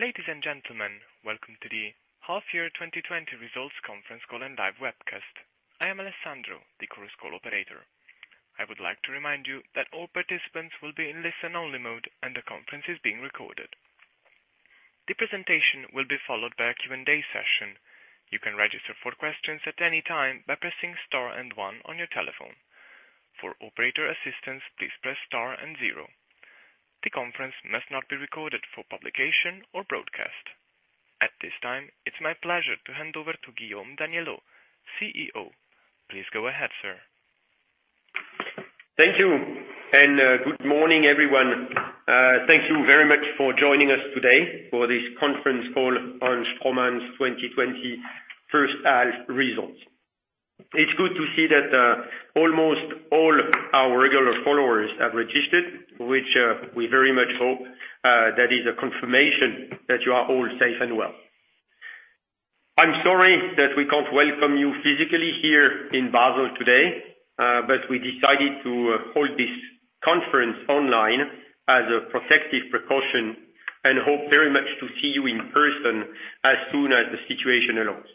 Ladies and gentlemen, welcome to the Half Year 2020 Results Conference Call and live webcast. I am Alessandro, the Chorus Call operator. I would like to remind you that all participants will be in listen-only mode, and the conference is being recorded. The presentation will be followed by a Q&A session. You can register for questions at any time by pressing star and one on your telephone. For operator assistance, please press star and zero. The conference must not be recorded for publication or broadcast. At this time, it's my pleasure to hand over to Guillaume Daniellot, CEO. Please go ahead, sir. Thank you, and good morning, everyone. Thank you very much for joining us today for this conference call on Straumann's 2020 first half results. It's good to see that almost all our regular followers have registered, which we very much hope that is a confirmation that you are all safe and well. I'm sorry that we can't welcome you physically here in Basel today, but we decided to hold this conference online as a protective precaution and hope very much to see you in person as soon as the situation allows.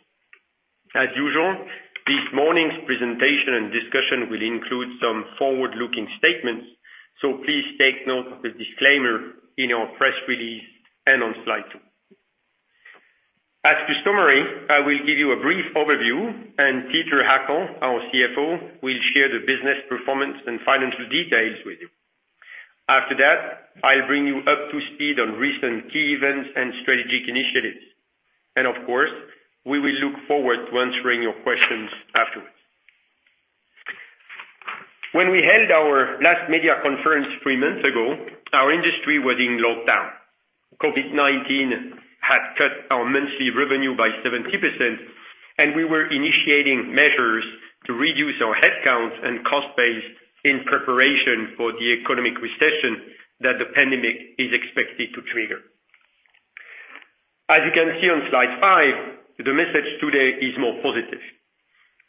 As usual, this morning's presentation and discussion will include some forward-looking statements, so please take note of the disclaimer in our press release and on slide two. As customary, I will give you a brief overview, and Peter Hackel, our CFO, will share the business performance and financial details with you. After that, I will bring you up to speed on recent key events and strategic initiatives. Of course, we will look forward to answering your questions afterwards. When we held our last media conference three months ago, our industry was in lockdown. COVID-19 had cut our monthly revenue by 70%, and we were initiating measures to reduce our headcounts and cost base in preparation for the economic recession that the pandemic is expected to trigger. As you can see on slide five, the message today is more positive.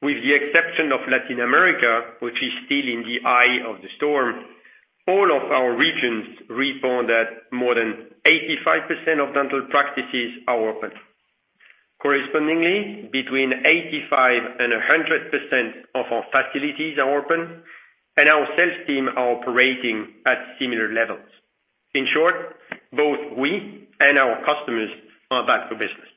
With the exception of Latin America, which is still in the eye of the storm, all of our regions report that more than 85% of dental practices are open. Correspondingly, between 85% and 100% of our facilities are open, and our sales team are operating at similar levels. In short, both we and our customers are back to business.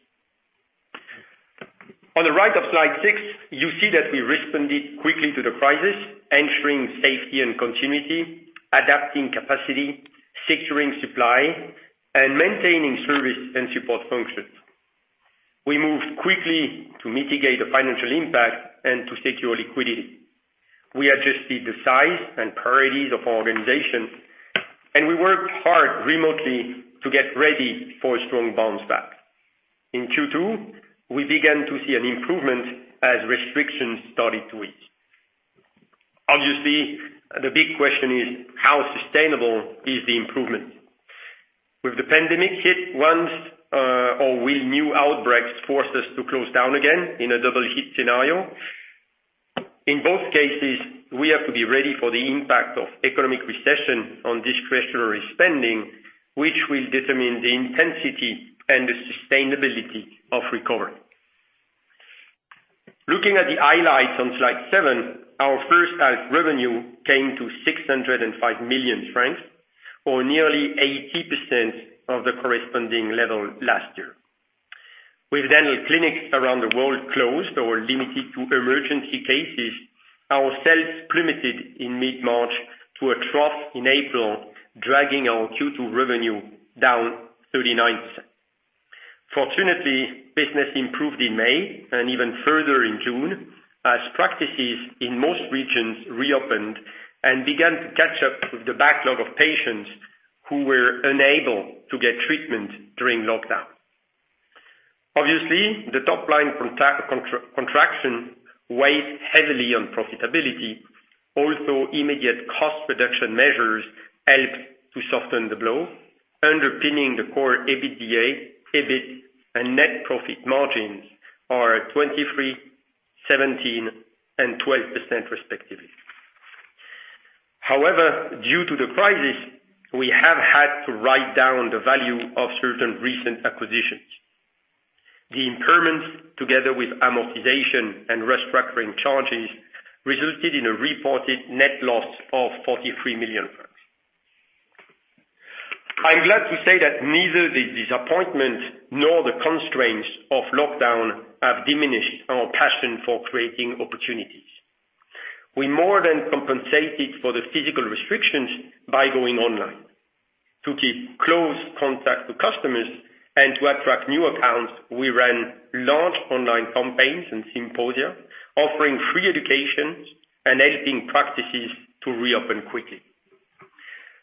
On the right of slide six, you see that we responded quickly to the crisis, ensuring safety and continuity, adapting capacity, securing supply, and maintaining service and support functions. We moved quickly to mitigate the financial impact and to secure liquidity. We adjusted the size and priorities of our organization, and we worked hard remotely to get ready for a strong bounce back. In Q2, we began to see an improvement as restrictions started to ease. Obviously, the big question is, how sustainable is the improvement? Will the pandemic hit once, or will new outbreaks force us to close down again in a double hit scenario? In both cases, we have to be ready for the impact of economic recession on discretionary spending, which will determine the intensity and the sustainability of recovery. Looking at the highlights on slide seven, our first half revenue came to 605 million francs, or nearly 80% of the corresponding level last year. With dental clinics around the world closed or limited to emergency cases, our sales plummeted in mid-March to a trough in April, dragging our Q2 revenue down 39%. Fortunately, business improved in May and even further in June as practices in most regions reopened and began to catch up with the backlog of patients who were unable to get treatment during lockdown. Obviously, the top-line contraction weighs heavily on profitability, although immediate cost reduction measures helped to soften the blow, underpinning the core EBITDA, EBIT, and net profit margins are 23%, 17%, and 12%, respectively. However, due to the crisis, we have had to write down the value of certain recent acquisitions. The impairments, together with amortization and restructuring charges, resulted in a reported net loss of 43 million francs. I'm glad to say that neither the disappointment nor the constraints of lockdown have diminished our passion for creating opportunities. We more than compensated for the physical restrictions by going online. To keep close contact with customers and to attract new accounts, we ran large online campaigns and symposia offering free education and helping practices to reopen quickly.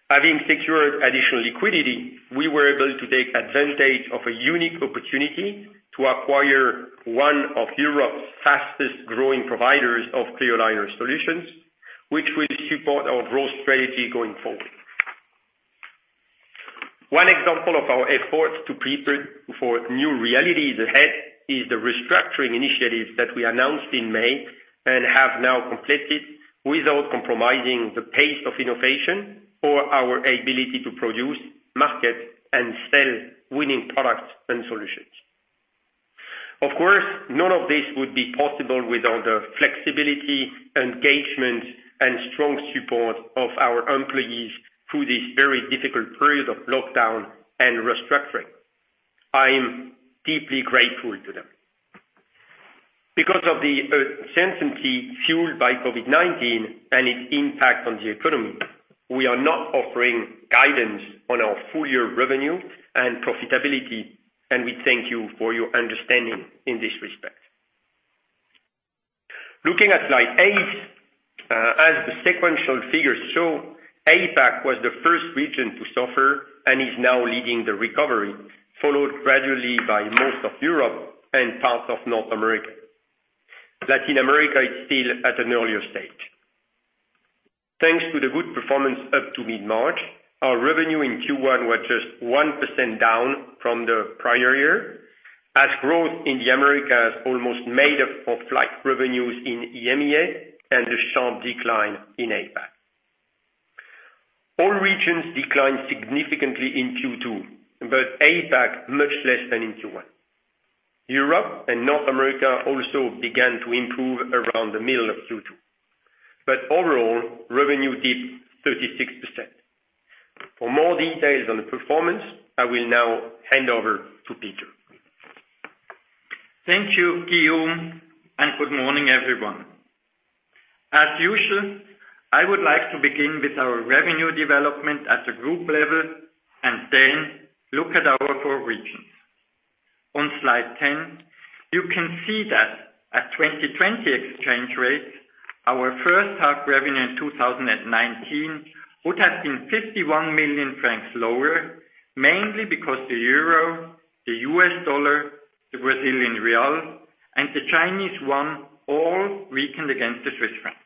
Having secured additional liquidity, we were able to take advantage of a unique opportunity to acquire one of Europe's fastest-growing providers of clear aligner solutions, which will support our growth strategy going forward. One example of our efforts to prepare for new realities ahead is the restructuring initiatives that we announced in May and have now completed without compromising the pace of innovation or our ability to produce, market, and sell winning products and solutions. Of course, none of this would be possible without the flexibility, engagement, and strong support of our employees through this very difficult period of lockdown and restructuring. I am deeply grateful to them. Because of the uncertainty fueled by COVID-19 and its impact on the economy, we are not offering guidance on our full-year revenue and profitability, and we thank you for your understanding in this respect. Looking at slide eight, as the sequential figures show, APAC was the first region to suffer and is now leading the recovery, followed gradually by most of Europe and parts of North America. Latin America is still at an earlier stage. Thanks to the good performance up to mid-March, our revenue in Q1 was just 1% down from the prior year, as growth in the Americas almost made up for flat revenues in EMEA and a sharp decline in APAC. All regions declined significantly in Q2, but APAC much less than in Q1. Europe and North America also began to improve around the middle of Q2. Overall, revenue dipped 36%. For more details on the performance, I will now hand over to Peter. Thank you, Guillaume. Good morning, everyone. As usual, I would like to begin with our revenue development at the group level and then look at our four regions. On slide 10, you can see that at 2020 exchange rates, our first half revenue in 2019 would have been 51 million francs lower, mainly because the euro, the U.S. dollar, the Brazilian real, and the Chinese yuan all weakened against the Swiss franc.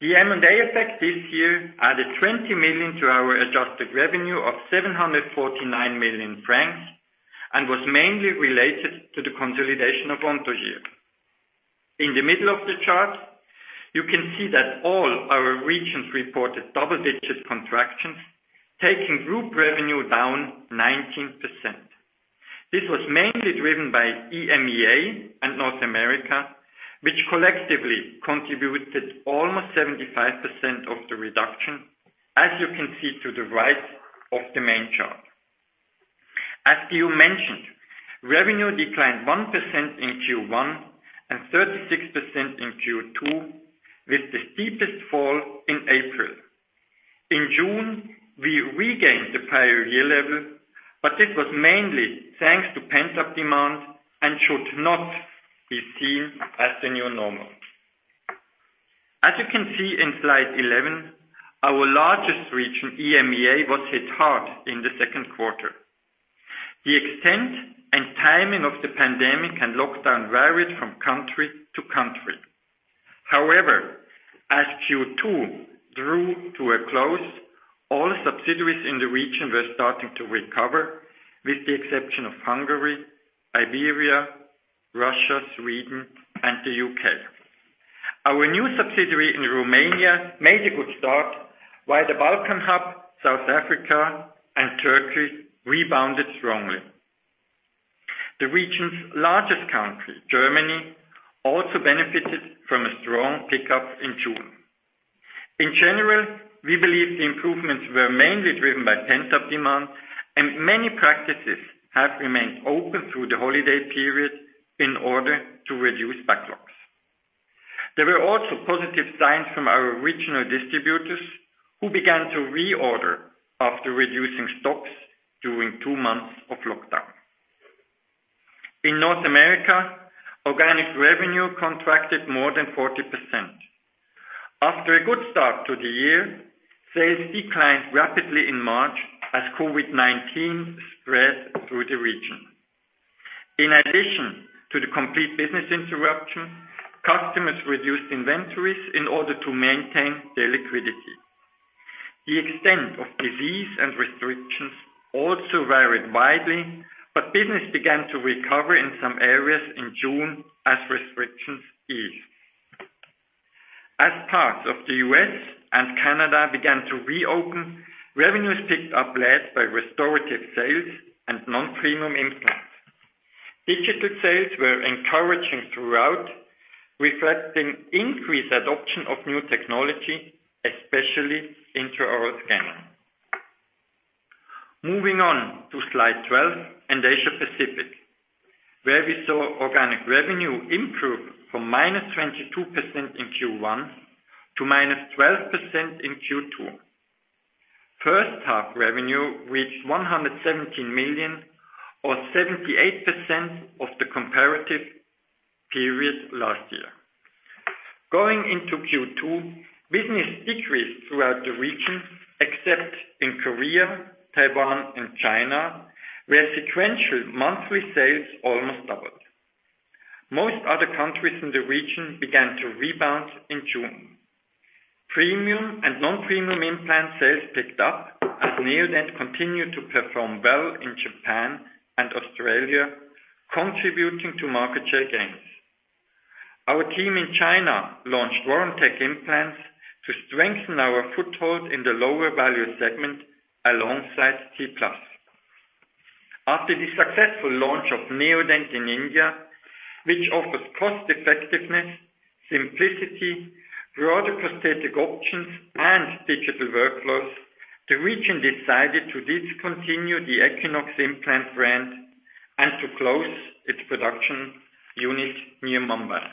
The M&A effect this year added 20 million to our adjusted revenue of 749 million francs and was mainly related to the consolidation of Anthogyr. In the middle of the chart, you can see that all our regions reported double-digit contractions, taking group revenue down 19%. This was mainly driven by EMEA and North America, which collectively contributed almost 75% of the reduction, as you can see to the right of the main chart. As Guillaume mentioned, revenue declined 1% in Q1 and 36% in Q2, with the steepest fall in April. In June, we regained the prior year level, but this was mainly thanks to pent-up demand and should not be seen as the new normal. As you can see in slide 11, our largest region, EMEA, was hit hard in the second quarter. The extent and timing of the pandemic and lockdown varied from country to country. However, as Q2 drew to a close, all subsidiaries in the region were starting to recover, with the exception of Hungary, Iberia, Russia, Sweden, and the U.K. Our new subsidiary in Romania made a good start while the Balkan Hub, South Africa, and Turkey rebounded strongly. The region's largest country, Germany, also benefited from a strong pickup in June. In general, we believe the improvements were mainly driven by pent-up demand, and many practices have remained open through the holiday period in order to reduce backlogs. There were also positive signs from our regional distributors who began to reorder after reducing stocks during two months of lockdown. In North America, organic revenue contracted more than 40%. After a good start to the year, sales declined rapidly in March as COVID-19 spread through the region. In addition to the complete business interruption, customers reduced inventories in order to maintain their liquidity. The extent of disease and restrictions also varied widely. Business began to recover in some areas in June as restrictions eased. As parts of the U.S. and Canada began to reopen, revenues picked up led by restorative sales and non-premium implants. Digital sales were encouraging throughout, reflecting increased adoption of new technology, especially intraoral scanning. Moving on to slide 12 and Asia Pacific, where we saw organic revenue improve from -22% in Q1 to -12% in Q2. First half revenue reached 117 million or 78% of the comparative period last year. Going into Q2, business decreased throughout the region except in Korea, Taiwan, and China, where sequential monthly sales almost doubled. Most other countries in the region began to rebound in June. Premium and non-premium implant sales picked up as Neodent continued to perform well in Japan and Australia, contributing to market share gains. Our team in China launched Warantec implants to strengthen our foothold in the lower value segment alongside T-Plus. After the successful launch of Neodent in India, which offers cost effectiveness, simplicity, broader prosthetic options, and digital workflows, the region decided to discontinue the Equinox implant brand and to close its production unit near Mumbai.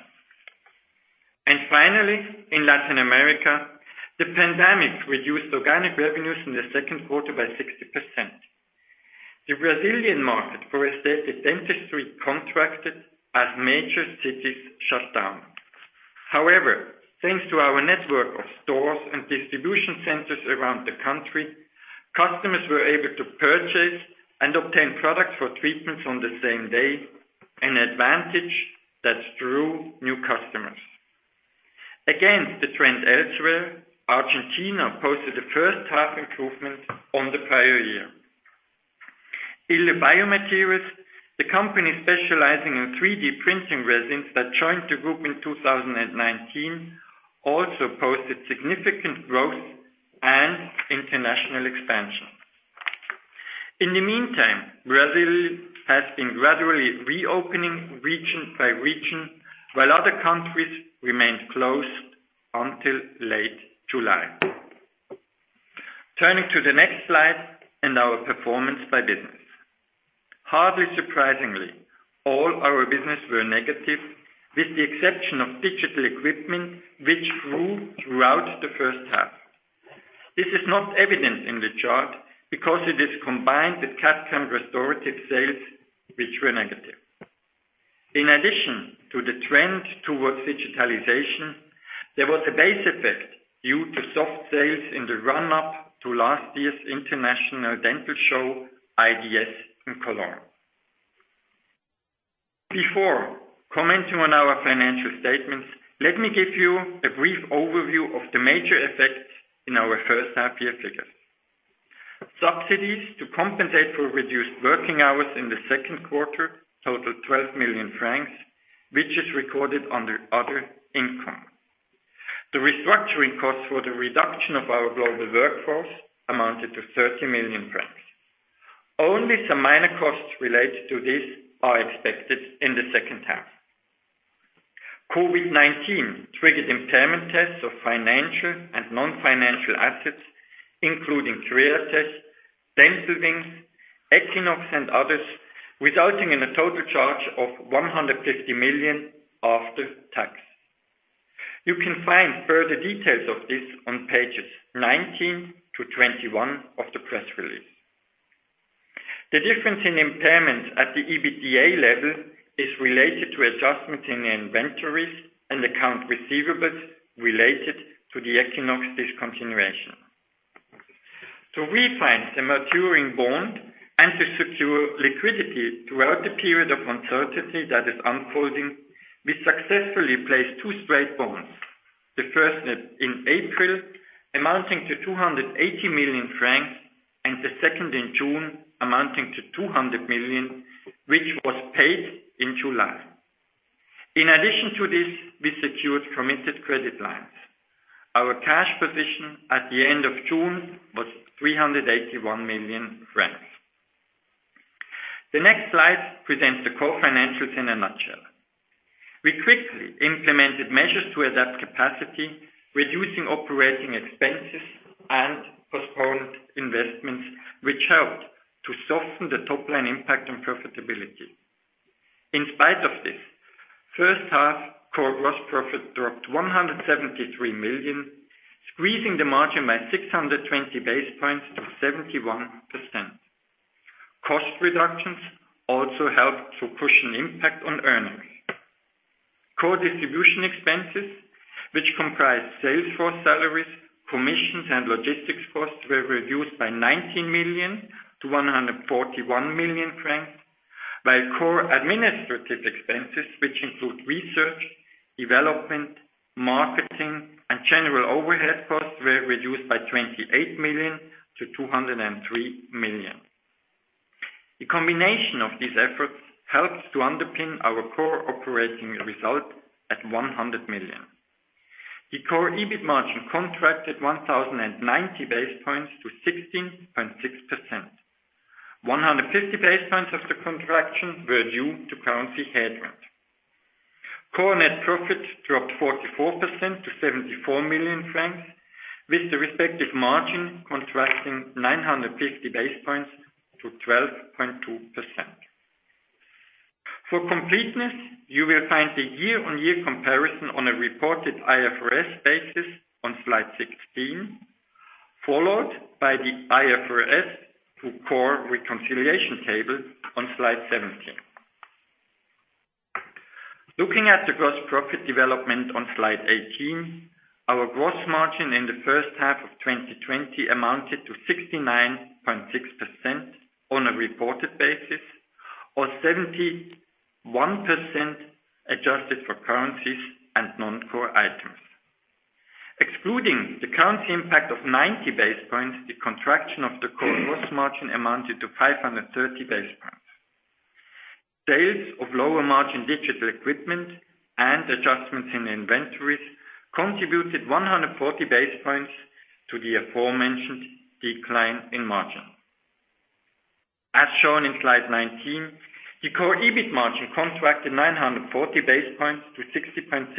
Finally, in Latin America, the pandemic reduced organic revenues in the second quarter by 60%. The Brazilian market for aesthetic dentistry contracted as major cities shut down. However, thanks to our network of stores and distribution centers around the country, customers were able to purchase and obtain products for treatments on the same day, an advantage that drew new customers. Against the trend elsewhere, Argentina posted a first half improvement on the prior year. Bay Materials, the company specializing in 3D printing resins that joined the group in 2019, also posted significant growth and international expansion. In the meantime, Brazil has been gradually reopening region by region, while other countries remained closed until late July. Turning to the next slide and our performance by business. Hardly surprisingly, all our business were negative, with the exception of digital equipment, which grew throughout the first half. This is not evident in the chart because it is combined with CAD/CAM restorative sales, which were negative. In addition to the trend towards digitalization, there was a base effect due to soft sales in the run-up to last year's International Dental Show, IDS, in Cologne. Before commenting on our financial statements, let me give you a brief overview of the major effects in our first half year figures. Subsidies to compensate for reduced working hours in the second quarter totaled 12 million francs, which is recorded under other income. The restructuring costs for the reduction of our global workforce amounted to 30 million francs. Only some minor costs related to this are expected in the second half. COVID-19 triggered impairment tests of financial and non-financial assets, including Createch, Dental Wings, Equinox, and others, resulting in a total charge of 150 million after tax. You can find further details of this on pages 19 to 21 of the press release. The difference in impairment at the EBITDA level is related to adjustment in inventories and account receivables related to the Equinox discontinuation. To refine the maturing bond and to secure liquidity throughout the period of uncertainty that is unfolding, we successfully placed two straight bonds. The first in April, amounting to 280 million francs, and the second in June amounting to 200 million, which was paid in July. In addition to this, we secured committed credit lines. Our cash position at the end of June was 381 million francs. The next slide presents the core financials in a nutshell. We quickly implemented measures to adapt capacity, reducing operating expenses and postponed investments, which helped to soften the top-line impact on profitability. In spite of this, first half core gross profit dropped 173 million, squeezing the margin by 620 basis points to 71%. Cost reductions also helped to cushion impact on earnings. Core distribution expenses, which comprise sales force salaries, commissions, and logistics costs were reduced by 19 million to 141 million francs. Core administrative expenses, which include research, development, marketing, and general overhead costs were reduced by 28 million to 203 million. The combination of these efforts helped to underpin our core operating result at 100 million. The core EBIT margin contracted 1,090 basis points to 16.6%. 150 basis points of the contraction were due to currency headwind. Core net profit dropped 44% to 74 million francs, with the respective margin contrasting 950 basis points to 12.2%. For completeness, you will find the year-on-year comparison on a reported IFRS basis on slide 16, followed by the IFRS to core reconciliation table on slide 17. Looking at the gross profit development on slide 18, our gross margin in the first half of 2020 amounted to 69.6% on a reported basis or 71% adjusted for currencies and non-core items. Excluding the currency impact of 90 basis points, the contraction of the core gross margin amounted to 530 basis points. Sales of lower margin digital equipment and adjustments in inventories contributed 140 basis points to the aforementioned decline in margin. As shown in slide 19, the core EBIT margin contracted 940 basis points to 16.6%.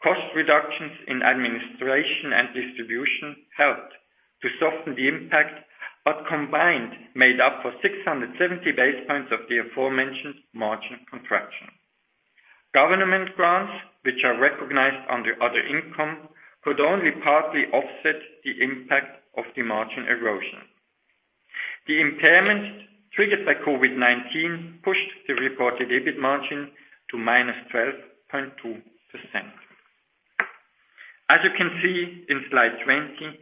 Cost reductions in administration and distribution helped to soften the impact, but combined made up for 670 basis points of the aforementioned margin contraction. Government grants, which are recognized under other income, could only partly offset the impact of the margin erosion. The impairment triggered by COVID-19 pushed the reported EBIT margin to -12.2%. As you can see in slide 20,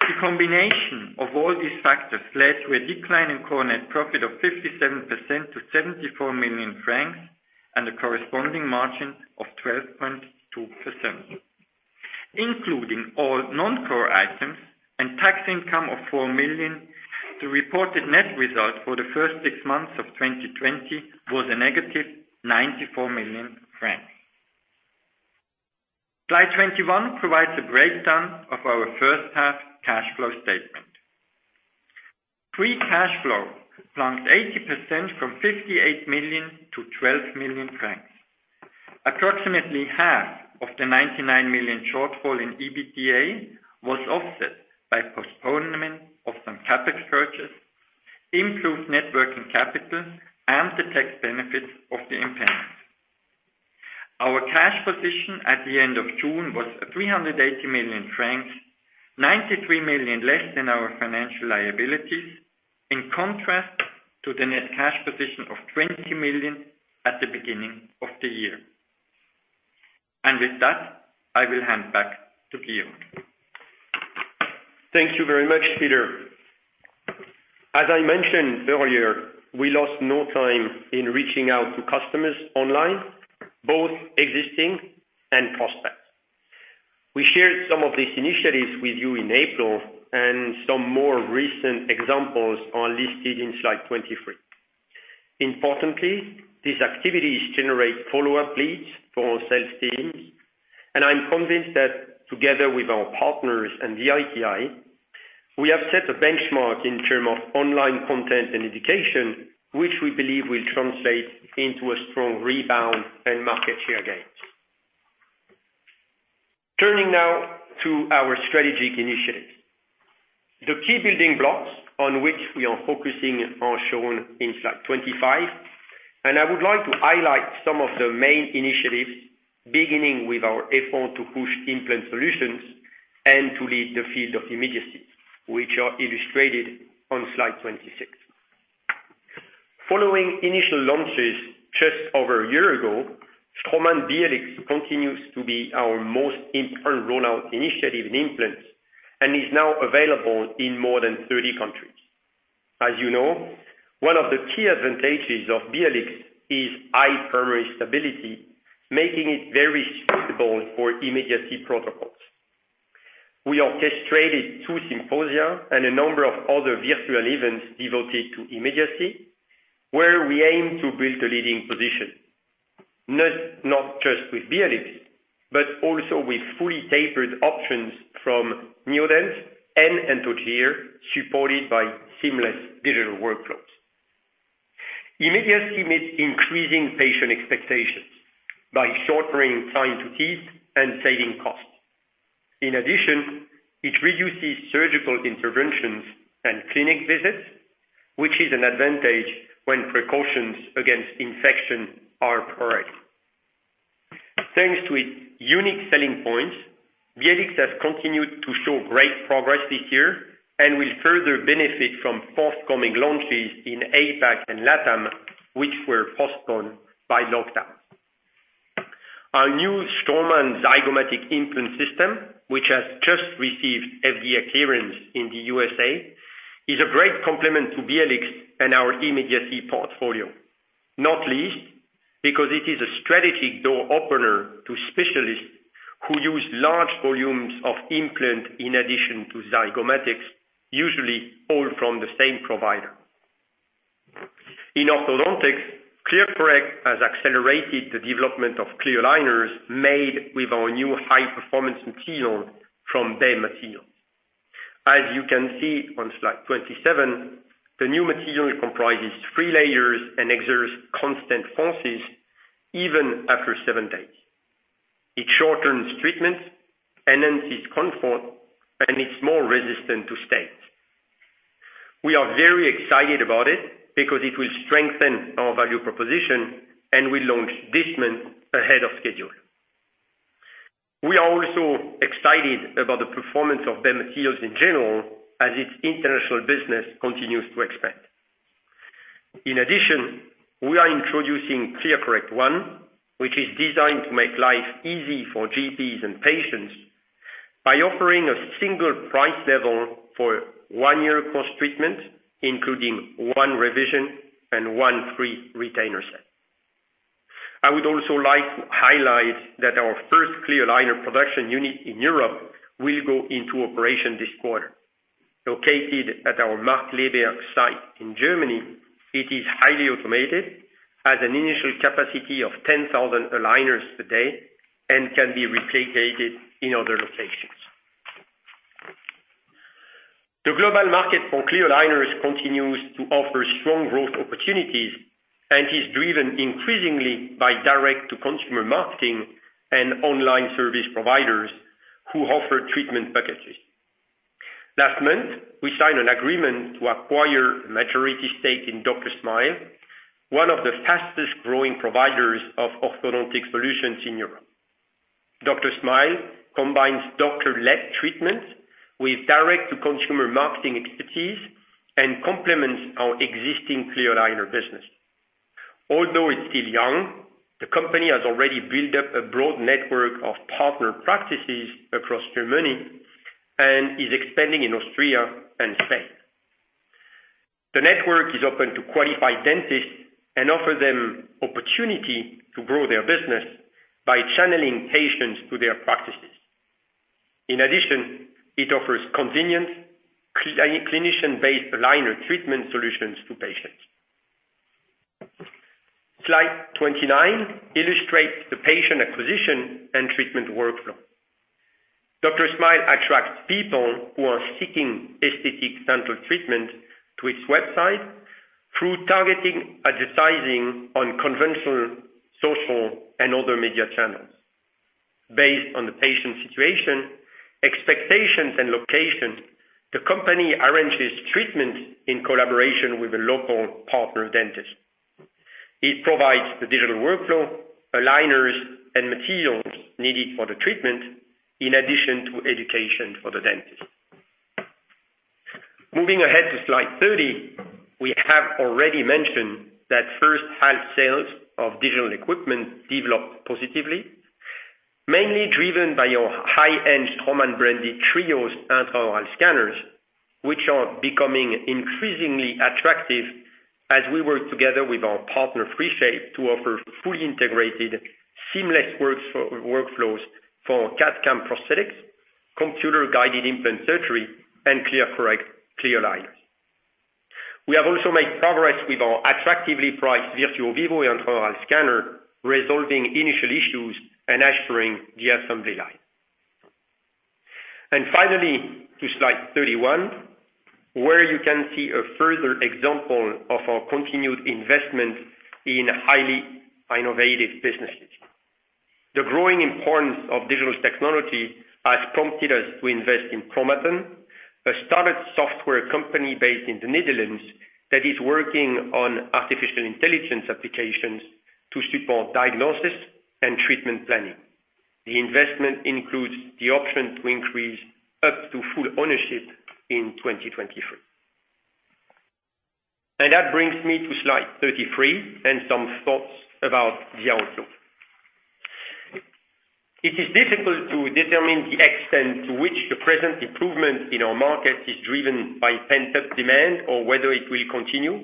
the combination of all these factors led to a decline in core net profit of 57% to 74 million francs, and a corresponding margin of 12.2%, including all non-core items and tax income of 4 million, the reported net result for the first six months of 2020 was a negative 94 million francs. Slide 21 provides a breakdown of our first half cash flow statement. Free cash flow plunged 80% from 58 million to 12 million francs. Approximately half of the 99 million shortfall in EBITDA was offset by postponement of some CapEx purchases, improved net working capital, and the tax benefits of the impairment. Our cash position at the end of June was 380 million francs, 93 million less than our financial liabilities, in contrast to the net cash position of 20 million at the beginning of the year. With that, I will hand back to Guillaume. Thank you very much, Peter. As I mentioned earlier, we lost no time in reaching out to customers online, both existing and prospects. We shared some of these initiatives with you in April, and some more recent examples are listed in slide 23. Importantly, these activities generate follow-up leads for our sales teams, and I'm convinced that together with our partners and the ITI, we have set a benchmark in terms of online content and education, which we believe will translate into a strong rebound and market share gains. Turning now to our strategic initiatives. The key building blocks on which we are focusing are shown in slide 25, and I would like to highlight some of the main initiatives, beginning with our effort to push implant solutions and to lead the field of immediacy, which are illustrated on slide 26. Following initial launches just over a year ago, Straumann BLX continues to be our most important rollout initiative in implants, and is now available in more than 30 countries. As you know, one of the key advantages of BLX is high primary stability, making it very suitable for immediacy protocols. We orchestrated two symposia and a number of other virtual events devoted to immediacy, where we aim to build a leading position, not just with BLX, but also with fully tapered options from Neodent and Anthogyr, supported by seamless digital workflows. Immediacy meets increasing patient expectations by shortening time to teeth and saving costs. In addition, it reduces surgical interventions and clinic visits, which is an advantage when precautions against infection are priority. Thanks to its unique selling points, BLX has continued to show great progress this year and will further benefit from forthcoming launches in APAC and LatAm, which were postponed by lockdown. Our new Straumann zygomatic implant system, which has just received FDA clearance in the USA, is a great complement to BLX and our immediacy portfolio. Not least, because it is a strategic door opener to specialists who use large volumes of implant in addition to zygomatics, usually all from the same provider. In orthodontics, ClearCorrect has accelerated the development of clear aligners made with our new high performance material from Bay Materials. As you can see on slide 27, the new material comprises three layers and exerts constant forces even after seven days. It shortens treatment, enhances comfort, and it's more resistant to stains. We are very excited about it because it will strengthen our value proposition, and we launch this month ahead of schedule. We are also excited about the performance of Bay Materials in general as its international business continues to expand. In addition, we are introducing ClearCorrect ONE, which is designed to make life easy for GPs and patients. By offering a single price level for one year of course treatment, including one revision and one free retainer set. I would also like to highlight that our first clear aligner production unit in Europe will go into operation this quarter. Located at our Markkleeberg site in Germany, it is highly automated, has an initial capacity of 10,000 aligners a day, and can be replicated in other locations. The global market for clear aligners continues to offer strong growth opportunities and is driven increasingly by direct-to-consumer marketing and online service providers who offer treatment packages. Last month, we signed an agreement to acquire a majority stake in DrSmile, one of the fastest-growing providers of orthodontic solutions in Europe. DrSmile combines doctor-led treatments with direct-to-consumer marketing expertise and complements our existing clear aligner business. Although it's still young, the company has already built up a broad network of partner practices across Germany and is expanding in Austria and Spain. The network is open to qualified dentists and offers them the opportunity to grow their business by channeling patients to their practices. In addition, it offers convenient clinician-based aligner treatment solutions to patients. Slide 29 illustrates the patient acquisition and treatment workflow. DrSmile attracts people who are seeking aesthetic dental treatment to its website through targeted advertising on conventional, social, and other media channels. Based on the patient's situation, expectations, and location, the company arranges treatment in collaboration with a local partner dentist. It provides the digital workflow, aligners, and materials needed for the treatment, in addition to education for the dentist. Moving ahead to slide 30, we have already mentioned that first-half sales of digital equipment developed positively, mainly driven by our high-end Straumann-branded TRIOS intraoral scanners, which are becoming increasingly attractive as we work together with our partner 3Shape to offer fully integrated seamless workflows for CAD/CAM prosthetics, computer-guided implant surgery, and ClearCorrect clear aligners. We have also made progress with our attractively priced Virtuo Vivo intraoral scanner, resolving initial issues and ushering the assembly line. Finally, to slide 31, where you can see a further example of our continued investment in highly innovative businesses. The growing importance of digital technology has prompted us to invest in Promaton, a startup software company based in the Netherlands that is working on artificial intelligence applications to support diagnosis and treatment planning. The investment includes the option to increase up to full ownership in 2023. That brings me to slide 33 and some thoughts about the outlook. It is difficult to determine the extent to which the present improvement in our market is driven by pent-up demand or whether it will continue,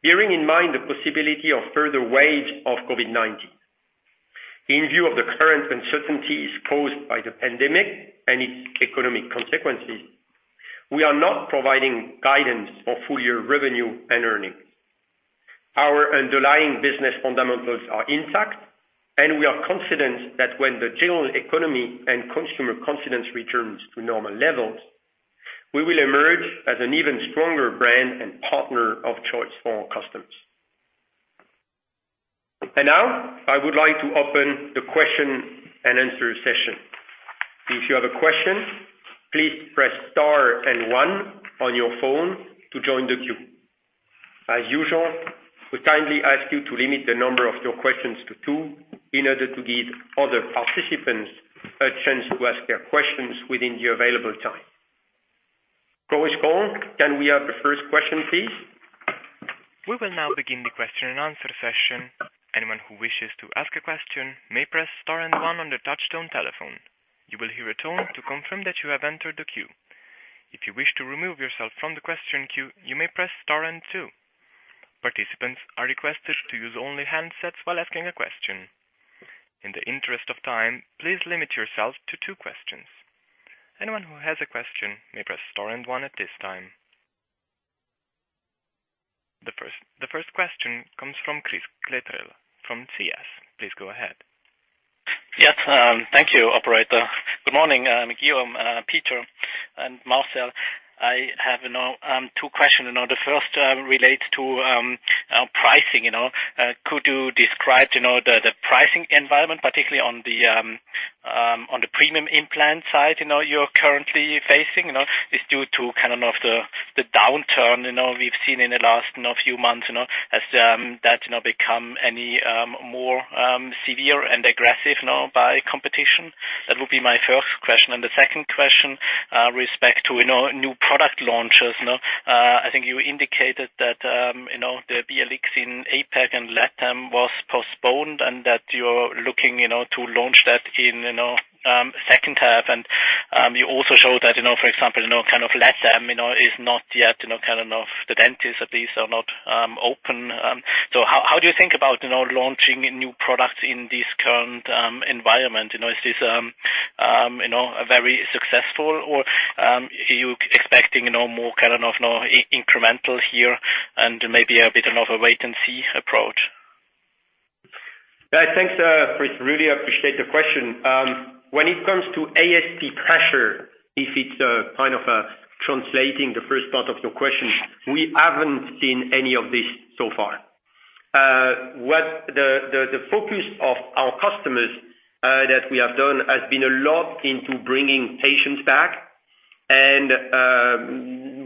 bearing in mind the possibility of further waves of COVID-19. In view of the current uncertainties caused by the pandemic and its economic consequences, we are not providing guidance for full-year revenue and earnings. Our underlying business fundamentals are intact, and we are confident that when the general economy and consumer confidence returns to normal levels, we will emerge as an even stronger brand and partner of choice for our customers. Now, I would like to open the question-and-answer session. If you have a question, please press star and one on your phone to join the queue. As usual, we kindly ask you to limit the number of your questions to two in order to give other participants a chance to ask their questions within the available time. Operator, can we have the first question, please? We will now begin the question-and-answer session. Anyone who wishes to ask a question may press star and one on their touchtone telephone. You will hear a tone to confirm that you have entered the queue. If you wish to remove yourself from the question queue, you may press star and two. Participants are requested to use only handsets while asking a question. In the interest of time, please limit yourself to two questions. Anyone who has a question may press star and one at this time. The first question comes from Chris Gretler from CS. Please go ahead. Yes. Thank you, operator. Good morning, Guillaume, Peter, and Marcel. I have two questions. The first relates to pricing. Could you describe the pricing environment, particularly on the premium implant side you're currently facing? Is this due to the downturn we've seen in the last few months, has that become any more severe and aggressive now by competition? That would be my first question. The second question, respect to new product launches. I think you indicated that the BLX in APAC and postponed and that you're looking to launch that in second half. You also showed that, for example, LatAm is not yet, kind of the dentists at least are not open. How do you think about launching new products in this current environment? Is this very successful or are you expecting more incremental here and maybe a bit of a wait-and-see approach? Thanks, Chris. Really appreciate the question. When it comes to ASP pressure, if it's kind of translating the first part of your question, we haven't seen any of this so far. What the focus of our customers, that we have done, has been a lot into bringing patients back.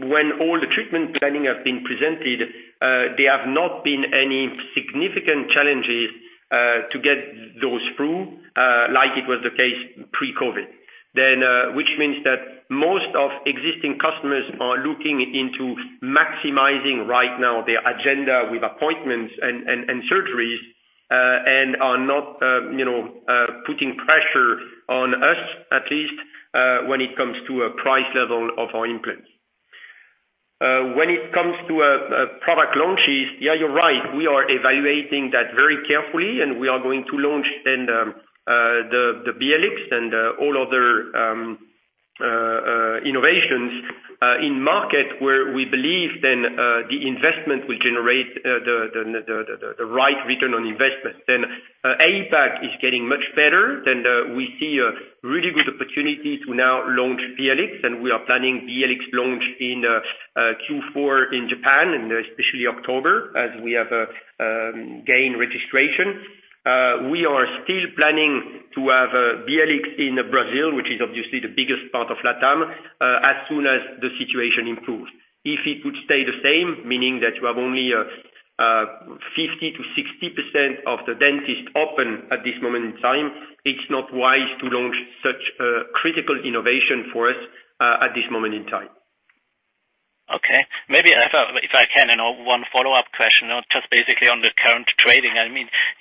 When all the treatment planning have been presented, there have not been any significant challenges to get those through, like it was the case pre-COVID-19. Which means that most of existing customers are looking into maximizing right now their agenda with appointments and surgeries, and are not putting pressure on us, at least, when it comes to a price level of our implants. When it comes to product launches, you're right. \We are evaluating that very carefully, and we are going to launch then the BLX and all other innovations in market where we believe then the investment will generate the right return on investment. APAC is getting much better. We see a really good opportunity to now launch BLX, and we are planning BLX launch in Q4 in Japan, and especially October, as we have gained registration. We are still planning to have BLX in Brazil, which is obviously the biggest part of LatAm, as soon as the situation improves. If it would stay the same, meaning that you have only 50%-60% of the dentist open at this moment in time, it's not wise to launch such a critical innovation for us at this moment in time. Okay. Maybe if I can, one follow-up question, just basically on the current trading.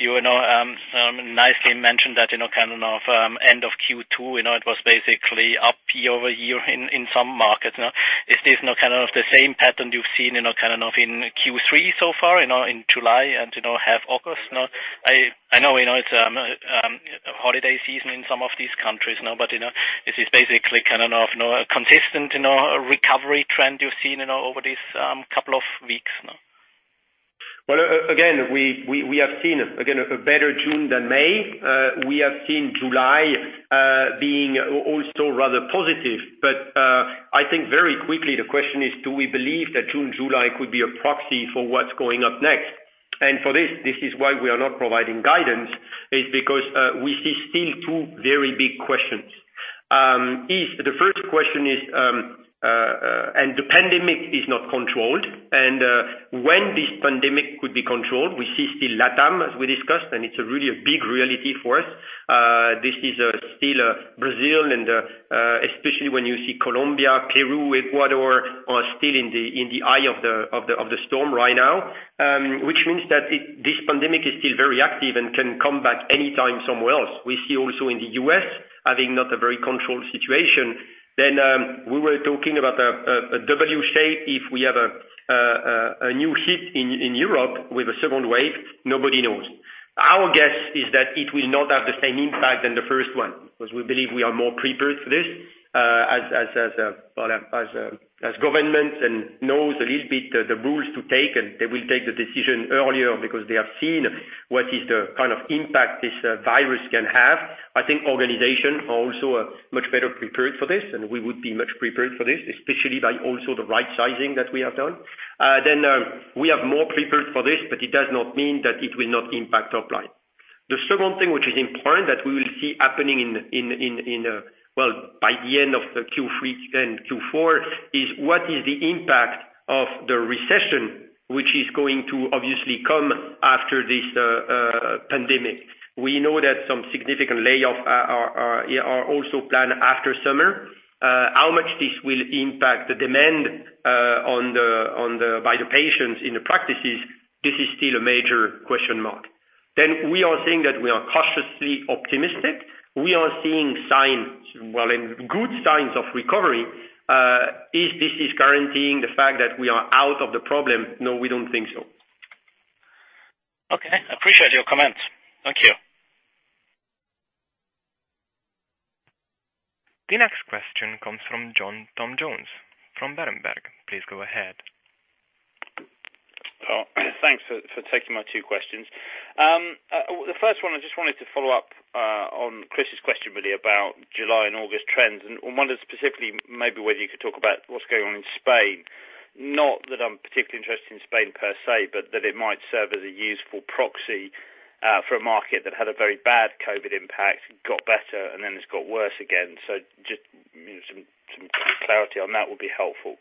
You nicely mentioned that, kind of end of Q2, it was basically up year-over-year in some markets. Is this now kind of the same pattern you've seen, kind of in Q3 so far, in July and half August? I know it's holiday season in some of these countries now. Is this basically kind of consistent recovery trend you've seen over this couple of weeks now? Well, again, we have seen a better June than May. We have seen July being also rather positive. I think very quickly the question is, do we believe that June, July could be a proxy for what's going up next? For this is why we are not providing guidance, is because we see still two very big questions. The first question is, the pandemic is not controlled, when this pandemic could be controlled, we see still LatAm, as we discussed, it's a really a big reality for us. This is still Brazil and especially when you see Colombia, Peru, Ecuador, are still in the eye of the storm right now, which means that this pandemic is still very active and can come back anytime somewhere else. We see also in the U.S., having not a very controlled situation. We were talking about a W shape. If we have a new hit in Europe with a second wave, nobody knows. Our guess is that it will not have the same impact than the first one, because we believe we are more prepared for this, as governments know a little bit the rules to take, and they will take the decision earlier because they have seen what is the kind of impact this virus can have. I think organizations also are much better prepared for this, and we would be much prepared for this, especially by also the right sizing that we have done. We are more prepared for this, but it does not mean that it will not impact top line. The second thing, which is important, that we will see happening in, well, by the end of the Q3 and Q4, is what is the impact of the recession, which is going to obviously come after this pandemic. We know that some significant layoffs are also planned after summer. How much this will impact the demand by the patients in the practices, this is still a major question mark. We are saying that we are cautiously optimistic. We are seeing signs, well, and good signs of recovery. Is this guaranteeing the fact that we are out of the problem? No, we don't think so. Okay. Appreciate your comments. Thank you. The next question comes from Tom Jones from Berenberg. Please go ahead. Thanks for taking my two questions. The first one, I just wanted to follow up on Chris's question really about July and August trends, wondered specifically maybe whether you could talk about what's going on in Spain. Not that I'm particularly interested in Spain per se, that it might serve as a useful proxy for a market that had a very bad COVID impact, got better, then it's got worse again. Just some clarity on that would be helpful.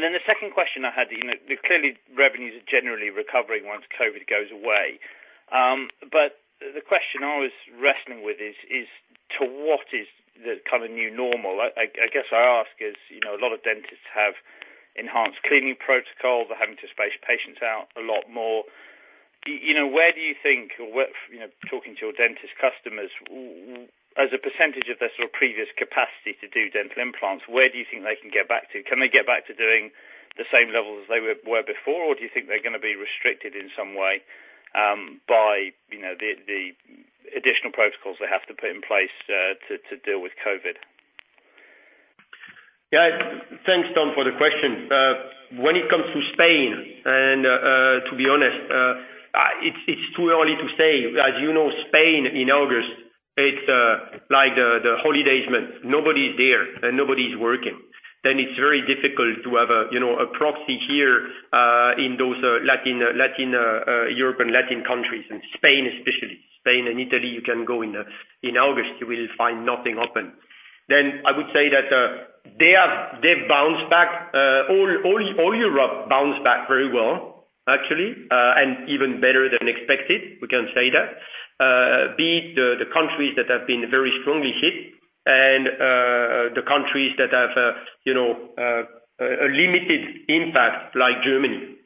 The second question I had, clearly revenues are generally recovering once COVID goes away. The question I was wrestling with is, to what is the kind of new normal? I guess I ask is, a lot of dentists have enhanced cleaning protocol. They're having to space patients out a lot more. Where do you think, talking to your dentist customers, as a percentage of their previous capacity to do dental implants, where do you think they can get back to? Can they get back to doing the same level as they were before? Or do you think they're going to be restricted in some way by the additional protocols they have to put in place to deal with COVID? Yeah. Thanks, Tom, for the question. When it comes to Spain, to be honest, it's too early to say. As you know, Spain in August, it's like the holidays month. Nobody's there and nobody's working. It's very difficult to have a proxy here in those European Latin countries, and Spain especially. Spain and Italy, you can go in August, you will find nothing open. I would say that they've bounced back. All Europe bounced back very well, actually, and even better than expected. We can say that. Be it the countries that have been very strongly hit and the countries that have a limited impact like Germany.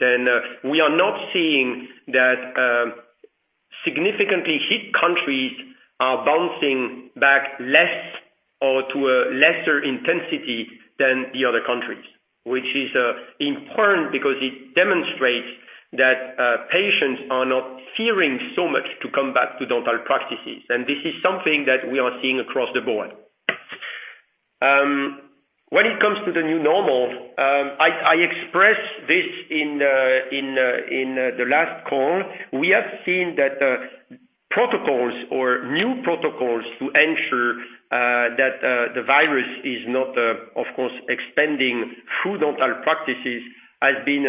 We are not seeing that significantly hit countries are bouncing back less or to a lesser intensity than the other countries, which is important because it demonstrates that patients are not fearing so much to come back to dental practices. This is something that we are seeing across the board. When it comes to the new normal, I expressed this in the last call. We have seen that protocols or new protocols to ensure that the virus is not, of course, expanding through dental practices, has been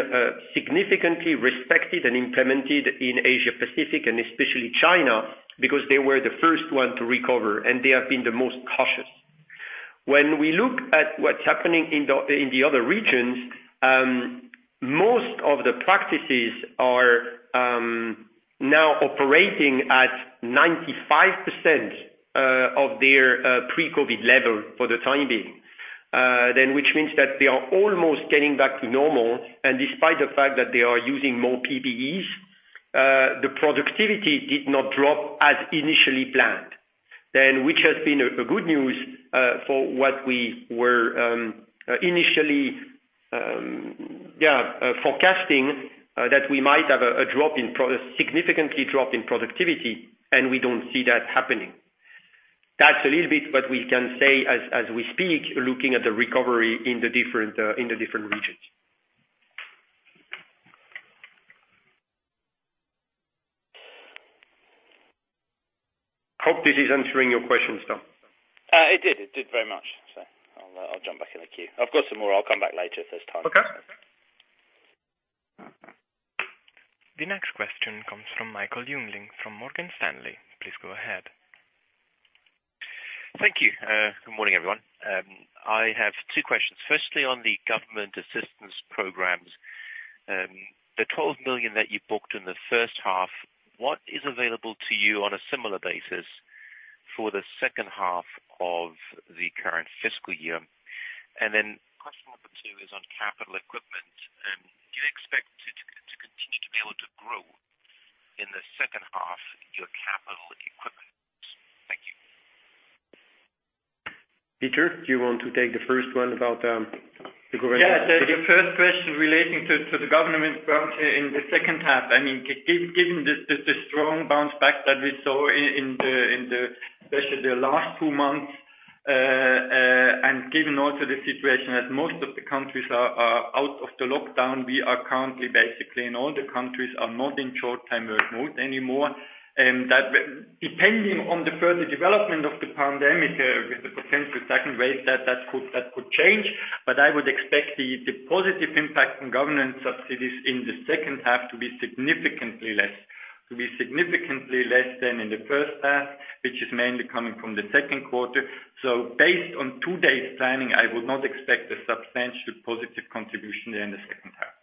significantly respected and implemented in Asia-Pacific and especially China, because they were the first one to recover, and they have been the most cautious. When we look at what's happening in the other regions, most of the practices are now operating at 95% of their pre-COVID-19 level for the time being, which means that they are almost getting back to normal. Despite the fact that they are using more PPEs, the productivity did not drop as initially planned. Which has been a good news for what we were initially forecasting, that we might have a significant drop in productivity, and we don't see that happening. That's a little bit what we can say as we speak, looking at the recovery in the different regions. Hope this is answering your question, Tom. It did. It did very much, sir. I'll jump back in the queue. I've got some more. I'll come back later if there's time. Okay. The next question comes from Michael Jüngling from Morgan Stanley. Please go ahead. Thank you. Good morning, everyone. I have two questions. Firstly, on the government assistance programs. The 12 million that you booked in the first half, what is available to you on a similar basis for the second half of the current fiscal year? Question number two is on capital equipment. Do you expect to continue to be able to grow in the second half your capital equipment? Thank you. Peter, do you want to take the first one about the government equipment? Yeah. The first question relating to the government program in the second half. Given the strong bounce back that we saw especially in the last two months, and given also the situation that most of the countries are out of the lockdown, we are currently basically in all the countries are not in short-time work mode anymore. Depending on the further development of the pandemic, with the potential second wave, that could change. I would expect the positive impact from government subsidies in the second half to be significantly less than in the first half, which is mainly coming from the second quarter. Based on today's planning, I would not expect a substantial positive contribution in the second half.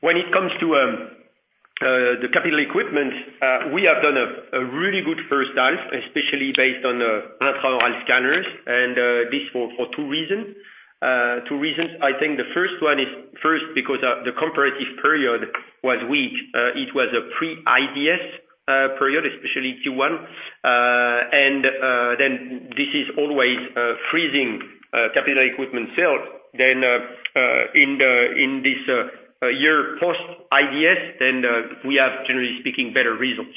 When it comes to the capital equipment, we have done a really good first half, especially based on intraoral scanners, and this for two reasons. I think the first one is first because the comparative period was weak. It was a pre-IDS period, especially Q1. This is always freezing capital equipment sales. In this year post-IDS, we have, generally speaking, better results.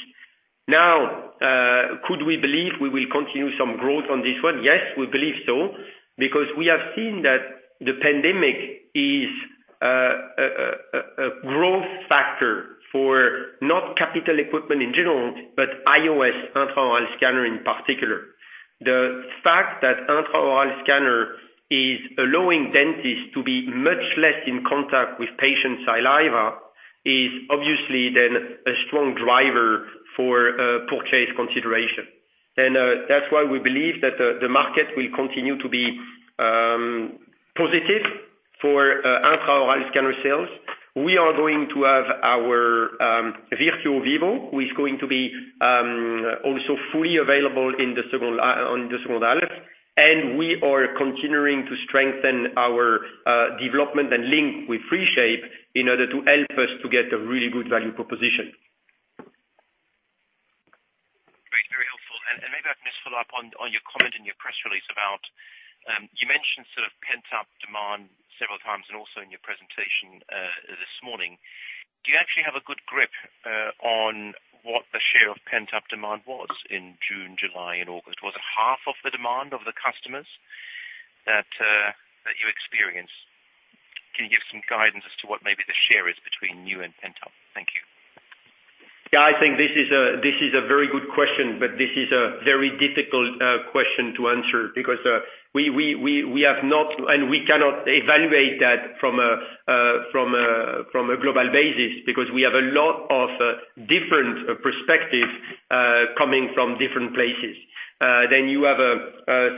Could we believe we will continue some growth on this one? Yes, we believe so, because we have seen that the pandemic is a growth factor for not capital equipment in general, but iOS intraoral scanner in particular. The fact that intraoral scanner is allowing dentists to be much less in contact with patient saliva is obviously then a strong driver for purchase consideration. That's why we believe that the market will continue to be positive for intraoral scanner sales. We are going to have our Virtuo Vivo, who is going to be also fully available on the Simonal. We are continuing to strengthen our development and link with 3Shape in order to help us to get a really good value proposition. Great. Very helpful. Maybe I can just follow up on your comment in your press release about, you mentioned pent-up demand several times, and also in your presentation this morning. Do you actually have a good grip on what the share of pent-up demand was in June, July, and August? Was it half of the demand of the customers that you experienced? Can you give some guidance as to what maybe the share is between you and pent-up? Thank you. Yeah, I think this is a very good question, but this is a very difficult question to answer because we have not, and we cannot evaluate that from a global basis, because we have a lot of different perspectives coming from different places. You have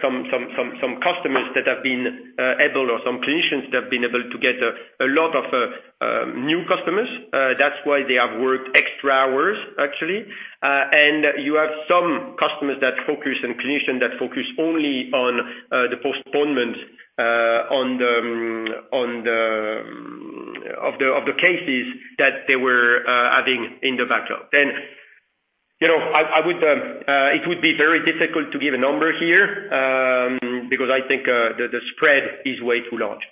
some customers that have been able, or some clinicians that have been able to get a lot of new customers. That's why they have worked extra hours, actually. You have some customers that focus, and clinicians that focus only on the postponement of the cases that they were adding in the backup. It would be very difficult to give a number here, because I think the spread is way too large.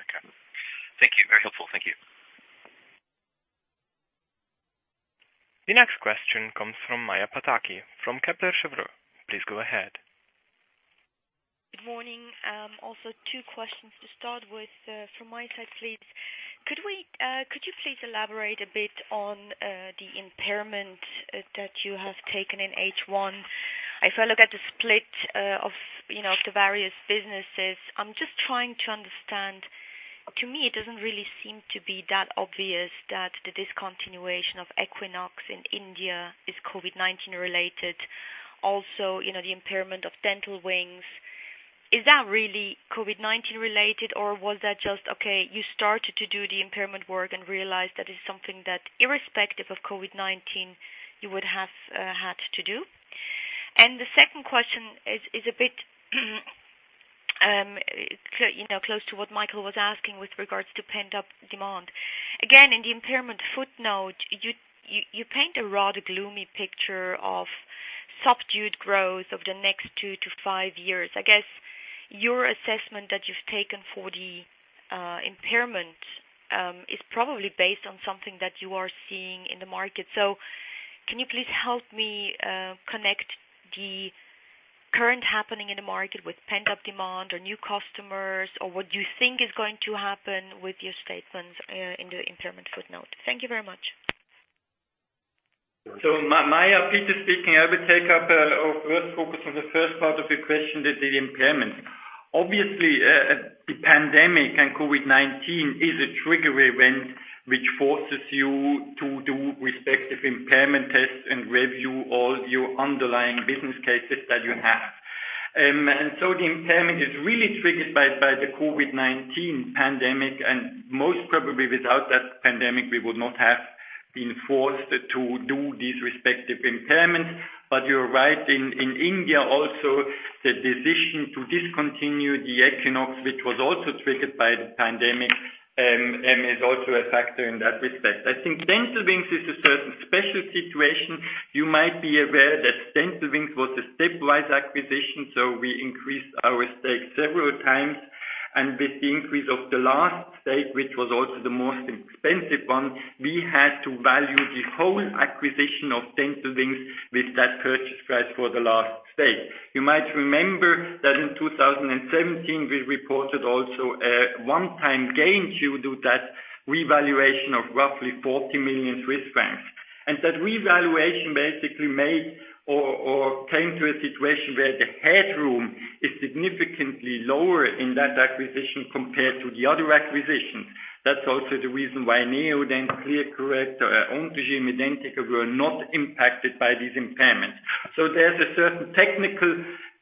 Okay. Thank you. Very helpful. Thank you. The next question comes from Maja Pataki from Kepler Cheuvreux. Please go ahead. Two questions to start with from my side, please. Could you please elaborate a bit on the impairment that you have taken in H1? If I look at the split of the various businesses, I'm just trying to understand. To me, it doesn't really seem to be that obvious that the discontinuation of Equinox in India is COVID-19 related. The impairment of Dental Wings. Is that really COVID-19 related, or was that just, okay, you started to do the impairment work and realized that is something that irrespective of COVID-19, you would have had to do? The second question is a bit close to what Michael was asking with regards to pent-up demand. Again, in the impairment footnote, you paint a rather gloomy picture of subdued growth over the next two to five years. I guess your assessment that you've taken for the impairment is probably based on something that you are seeing in the market. Can you please help me connect the current happening in the market with pent-up demand or new customers? What do you think is going to happen with your statements in the impairment footnote? Thank you very much. Maja, Peter speaking. I will take up or first focus on the first part of your question, the impairment. Obviously, the pandemic and COVID-19 is a trigger event which forces you to do respective impairment tests and review all your underlying business cases that you have. The impairment is really triggered by the COVID-19 pandemic, and most probably without that pandemic, we would not have been forced to do these respective impairments. You're right. In India also, the decision to discontinue the Equinox, which was also triggered by the pandemic, is also a factor in that respect. I think Dental Wings is a certain special situation. You might be aware that Dental Wings was a stepwise acquisition, we increased our stake several times. With the increase of the last stake, which was also the most expensive one, we had to value the whole acquisition of Dental Wings with that purchase price for the last stake. You might remember that in 2017, we reported also a one-time gain due to that revaluation of roughly 40 million Swiss francs. That revaluation basically made or came to a situation where the headroom is significantly lower in that acquisition compared to the other acquisitions. That's also the reason why Neodent, ClearCorrect, or Medentika were not impacted by this impairment. There's a certain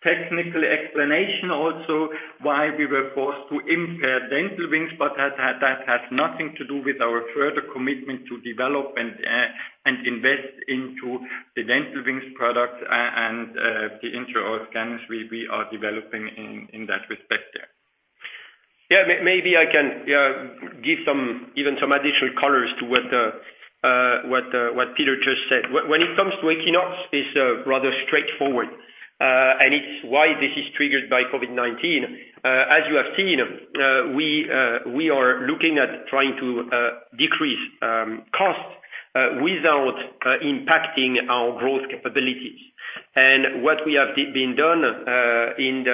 technical explanation also why we were forced to impair Dental Wings, but that has nothing to do with our further commitment to develop and invest into the Dental Wings product and the intraoral scanners we are developing in that respect there. Maybe I can give even some additional colors to what Peter just said. When it comes to Equinox, it's rather straightforward, and it's why this is triggered by COVID-19. As you have seen, we are looking at trying to decrease costs without impacting our growth capabilities. What we have been done in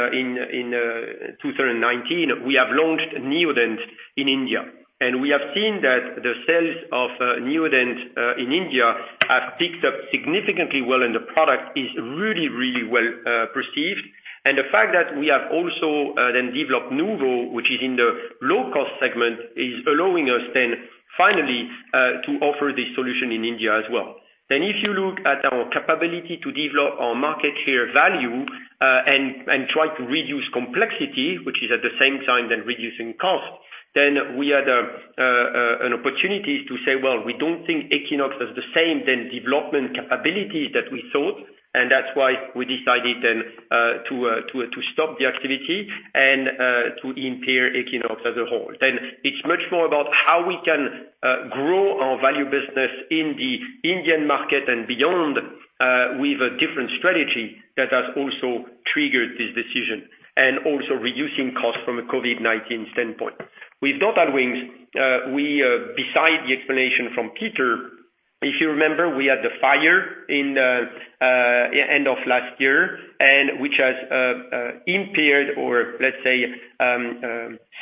2019, we have launched Neodent in India, and we have seen that the sales of Neodent in India have picked up significantly well, and the product is really, really well-perceived. The fact that we have also then developed NUVO, which is in the low-cost segment, is allowing us then finally to offer the solution in India as well. If you look at our capability to develop our market share value and try to reduce complexity, which is at the same time then reducing cost, we had an opportunity to say, "Well, we don't think Equinox has the same development capability that we thought," and that's why we decided then to stop the activity and to impair Equinox as a whole. It's much more about how we can grow our value business in the Indian market and beyond, with a different strategy that has also triggered this decision, and also reducing costs from a COVID-19 standpoint. With Dental Wings, beside the explanation from Peter, if you remember, we had the fire in the end of last year and which has impaired, or let's say,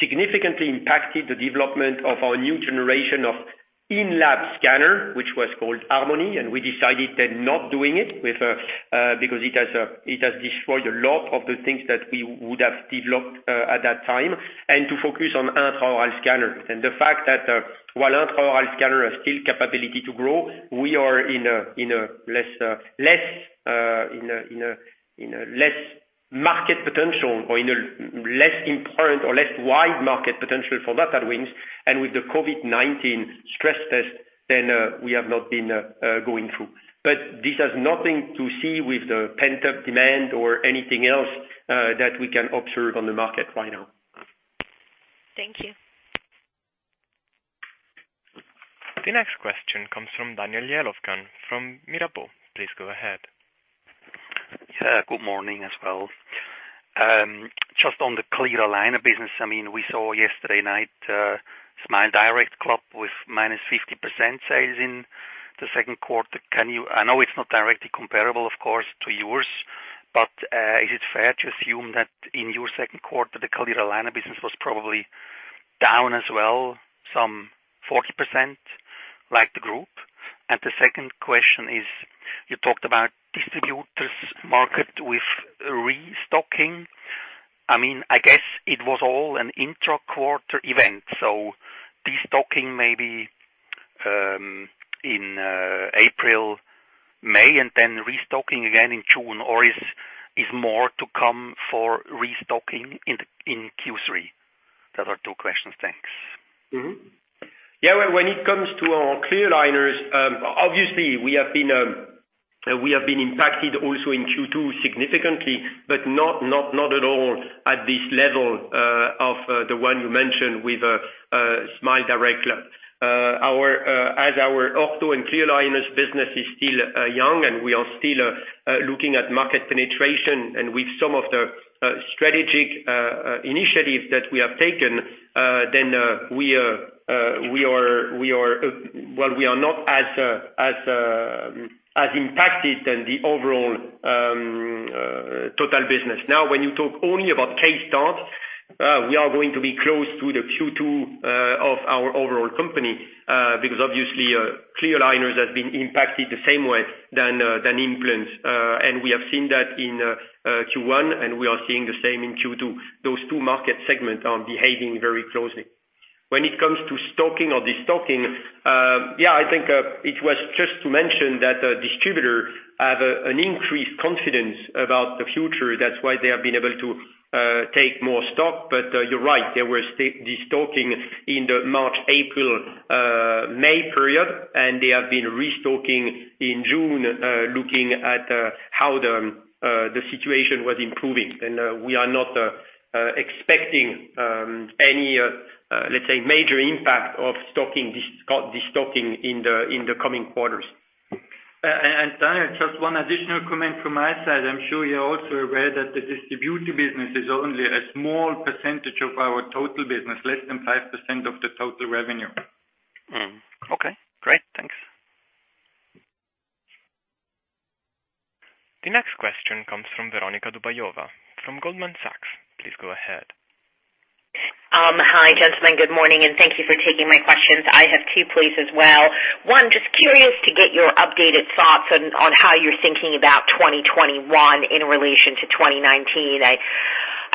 significantly impacted the development of our new generation of in-lab scanner, which was called Harmony, and we decided then not doing it, because it has destroyed a lot of the things that we would have developed at that time and to focus on intraoral scanners. The fact that while intraoral scanner has still capability to grow, we are in a less market potential or in a less important or less wide market potential for Dental Wings. With the COVID-19 stress test, then we have not been going through. This has nothing to see with the pent-up demand or anything else that we can observe on the market right now. Thank you. The next question comes from Daniel Jelovcan from Mirabaud. Please go ahead. Good morning as well. Just on the clear aligner business, we saw yesterday night SmileDirectClub with -50% sales in the second quarter. I know it's not directly comparable, of course, to yours, is it fair to assume that in your second quarter, the clear aligner business was probably down as well, some 40%, like the group? The second question is, you talked about distributors market with restocking. I guess it was all an intra-quarter event, so destocking maybe in April, May, and then restocking again in June, or is more to come for restocking in Q3? That are two questions. Thanks. Yeah. When it comes to our clear aligners, obviously we have been impacted also in Q2 significantly, but not at all at this level of the one you mentioned with SmileDirectClub. As our ortho and clear aligners business is still young and we are still looking at market penetration and with some of the strategic initiatives that we have taken, then we are not as impacted than the overall total business. Now, when you talk only about case start, we are going to be close to the Q2 of our overall company, because obviously clear aligners has been impacted the same way than implants. We have seen that in Q1, and we are seeing the same in Q2. Those two market segments are behaving very closely. When it comes to stocking or destocking, yeah, I think it was just to mention that distributor have an increased confidence about the future. That's why they have been able to take more stock. You're right, they were destocking in the March, April, May period, and they have been restocking in June, looking at how the situation was improving. We are not expecting any, let's say, major impact of destocking in the coming quarters. Daniel, just one additional comment from my side. I'm sure you're also aware that the distributor business is only a small percentage of our total business, less than 5% of the total revenue. Okay. Great. Thanks. The next question comes from Veronika Dubajova from Goldman Sachs. Please go ahead. Hi, gentlemen. Good morning, and thank you for taking my questions. I have two, please, as well. One, just curious to get your updated thoughts on how you're thinking about 2021 in relation to 2019. I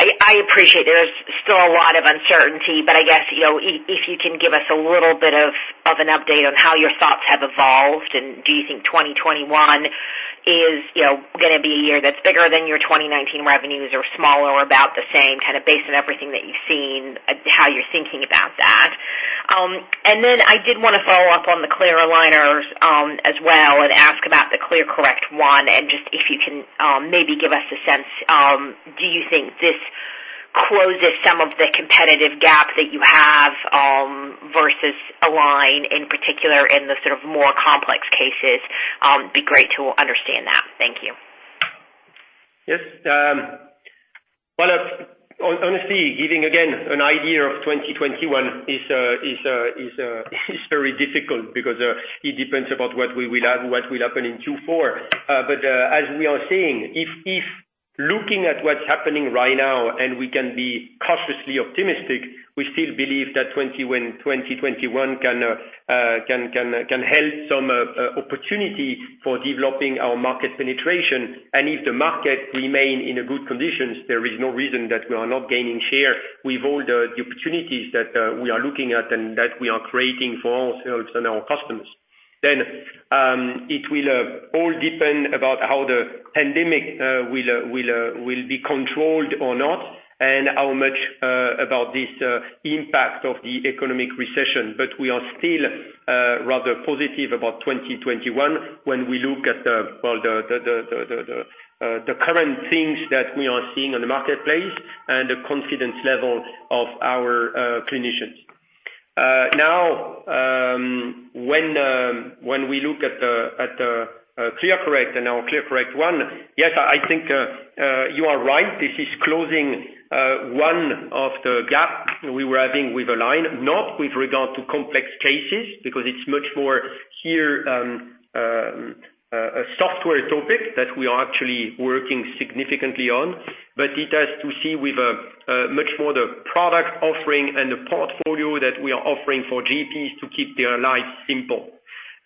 appreciate there's still a lot of uncertainty, but I guess, if you can give us a little bit of an update on how your thoughts have evolved, do you think 2021 is going to be a year that's bigger than your 2019 revenues or smaller, about the same, based on everything that you've seen, how you're thinking about that. Then I did want to follow up on the clear aligners as well and ask about the ClearCorrect ONE, and just if you can maybe give us a sense, do you think this closes some of the competitive gap that you have versus Align, in particular in the sort of more complex cases? Be great to understand that. Thank you. Yes. Well, honestly, giving, again, an idea of 2021 is very difficult because it depends about what will happen in Q4. As we are saying, if looking at what's happening right now and we can be cautiously optimistic, we still believe that 2021 can help some opportunity for developing our market penetration. If the market remain in a good conditions, there is no reason that we are not gaining share with all the opportunities that we are looking at and that we are creating for ourselves and our customers. It will all depend about how the pandemic will be controlled or not, and how much about this impact of the economic recession. We are still rather positive about 2021 when we look at the current things that we are seeing on the marketplace and the confidence level of our clinicians. When we look at ClearCorrect and our ClearCorrect ONE, yes, I think you are right. This is closing one of the gap we were having with Align, not with regard to complex cases, because it's much more, here, a software topic that we are actually working significantly on. It has to see with a much more the product offering and the portfolio that we are offering for GPs to keep their lives simple.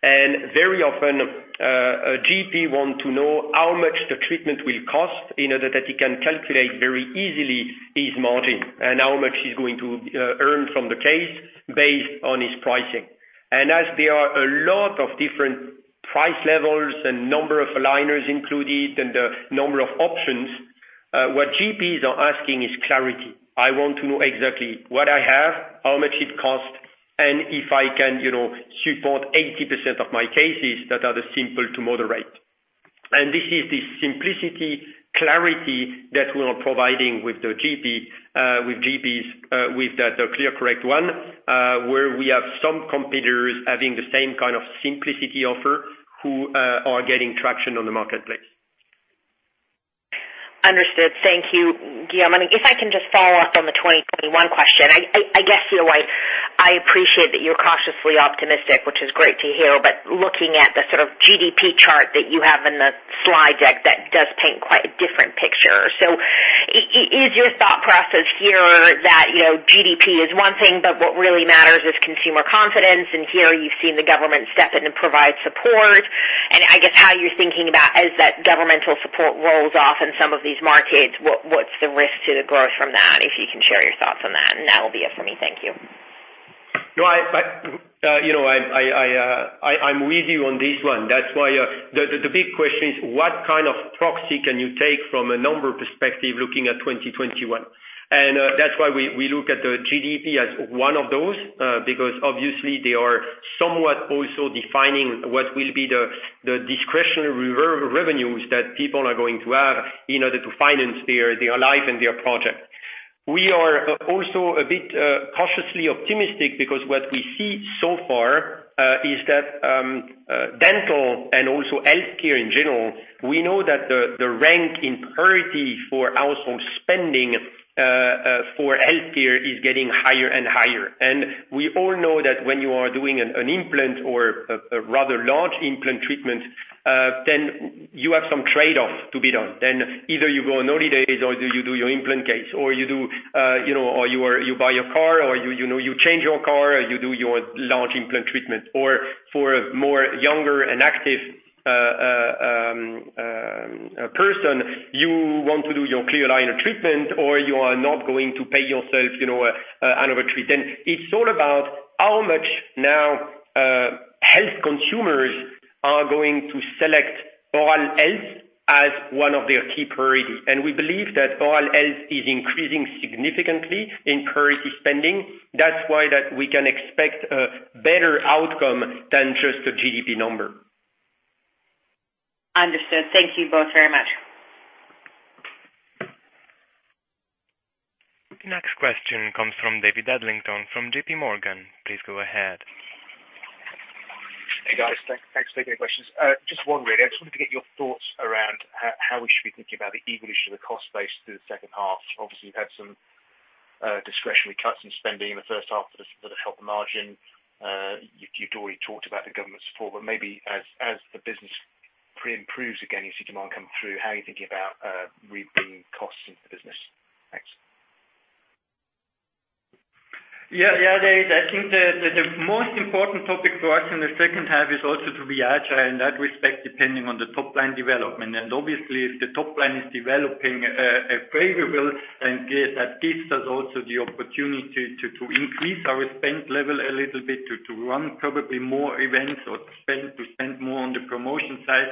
Very often, a GP want to know how much the treatment will cost in order that he can calculate very easily his margin and how much he's going to earn from the case based on his pricing. As there are a lot of different price levels and number of aligners included and the number of options, what GPs are asking is clarity. I want to know exactly what I have, how much it costs, and if I can support 80% of my cases that are the simple to moderate. This is the simplicity, clarity that we are providing with the GPs with the ClearCorrect ONE, where we have some competitors having the same kind of simplicity offer who are getting traction on the marketplace. Understood. Thank you, Guillaume. If I can just follow up on the 2021 question. I appreciate that you're cautiously optimistic, which is great to hear, but looking at the sort of GDP chart that you have in the slide deck, that does paint quite a different picture. Is your thought process here that GDP is one thing, but what really matters is consumer confidence, and here you've seen the government step in and provide support. I guess how you're thinking about as that governmental support rolls off in some of these markets, what's the risk to the growth from that? If you can share your thoughts on that, and that'll be it for me. Thank you. I'm with you on this one. That's why the big question is what kind of proxy can you take from a number perspective looking at 2021? That's why we look at the GDP as one of those, because obviously they are somewhat also defining what will be the discretionary revenues that people are going to have in order to finance their life and their project. We are also a bit cautiously optimistic because what we see so far is that dental and also healthcare in general, we know that the rank in priority for household spending for healthcare is getting higher and higher. We all know that when you are doing an implant or a rather large implant treatment, then you have some trade-off to be done. Either you go on holidays or you do your implant case, or you buy a car, or you change your car, or you do your large implant treatment. For a more younger and active person, you want to do your clear aligner treatment, or you are not going to pay yourself another treatment. It is all about how much now health consumers are going to select oral health as one of their key priority. We believe that oral health is increasing significantly in priority spending. That is why that we can expect a better outcome than just the GDP number. Understood. Thank you both very much. Next question comes from David Adlington from JPMorgan. Please go ahead. Hey, guys. Thanks for taking the questions. Just one, really. I just wanted to get your thoughts around how we should be thinking about the evolution of the cost base through the second half. Obviously, you've had some discretionary cuts in spending in the first half that have helped the margin. You've already talked about the government support, maybe as the business pre-improves again, you see demand come through, how are you thinking about re-bringing costs into the business? Thanks. Yeah, David, I think the most important topic for us in the second half is also to be agile in that respect, depending on the top-line development. Obviously, if the top line is developing favorable, then that gives us also the opportunity to increase our spend level a little bit to run probably more events or to spend more on the promotion side.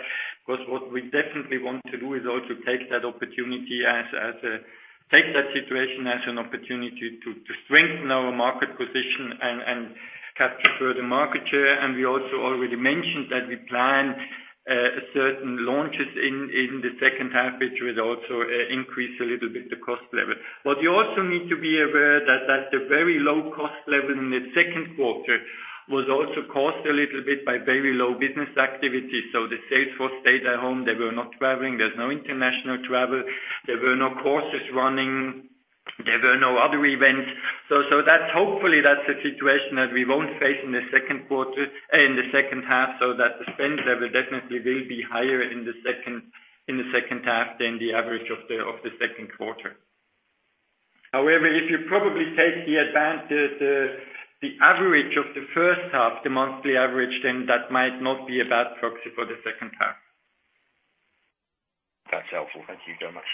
What we definitely want to do is also take that situation as an opportunity to strengthen our market position and capture further market share. We also already mentioned that we plan certain launches in the second half, which will also increase a little bit the cost level. You also need to be aware that the very low cost level in the second quarter was also caused a little bit by very low business activity. The sales force stayed at home. They were not traveling. There is no international travel. There were no courses running. There were no other events. Hopefully that's a situation that we won't face in the second half, so that the spend level definitely will be higher in the second half than the average of the second quarter. If you probably take the average of the first half, the monthly average, then that might not be a bad proxy for the second half. That's helpful. Thank you very much.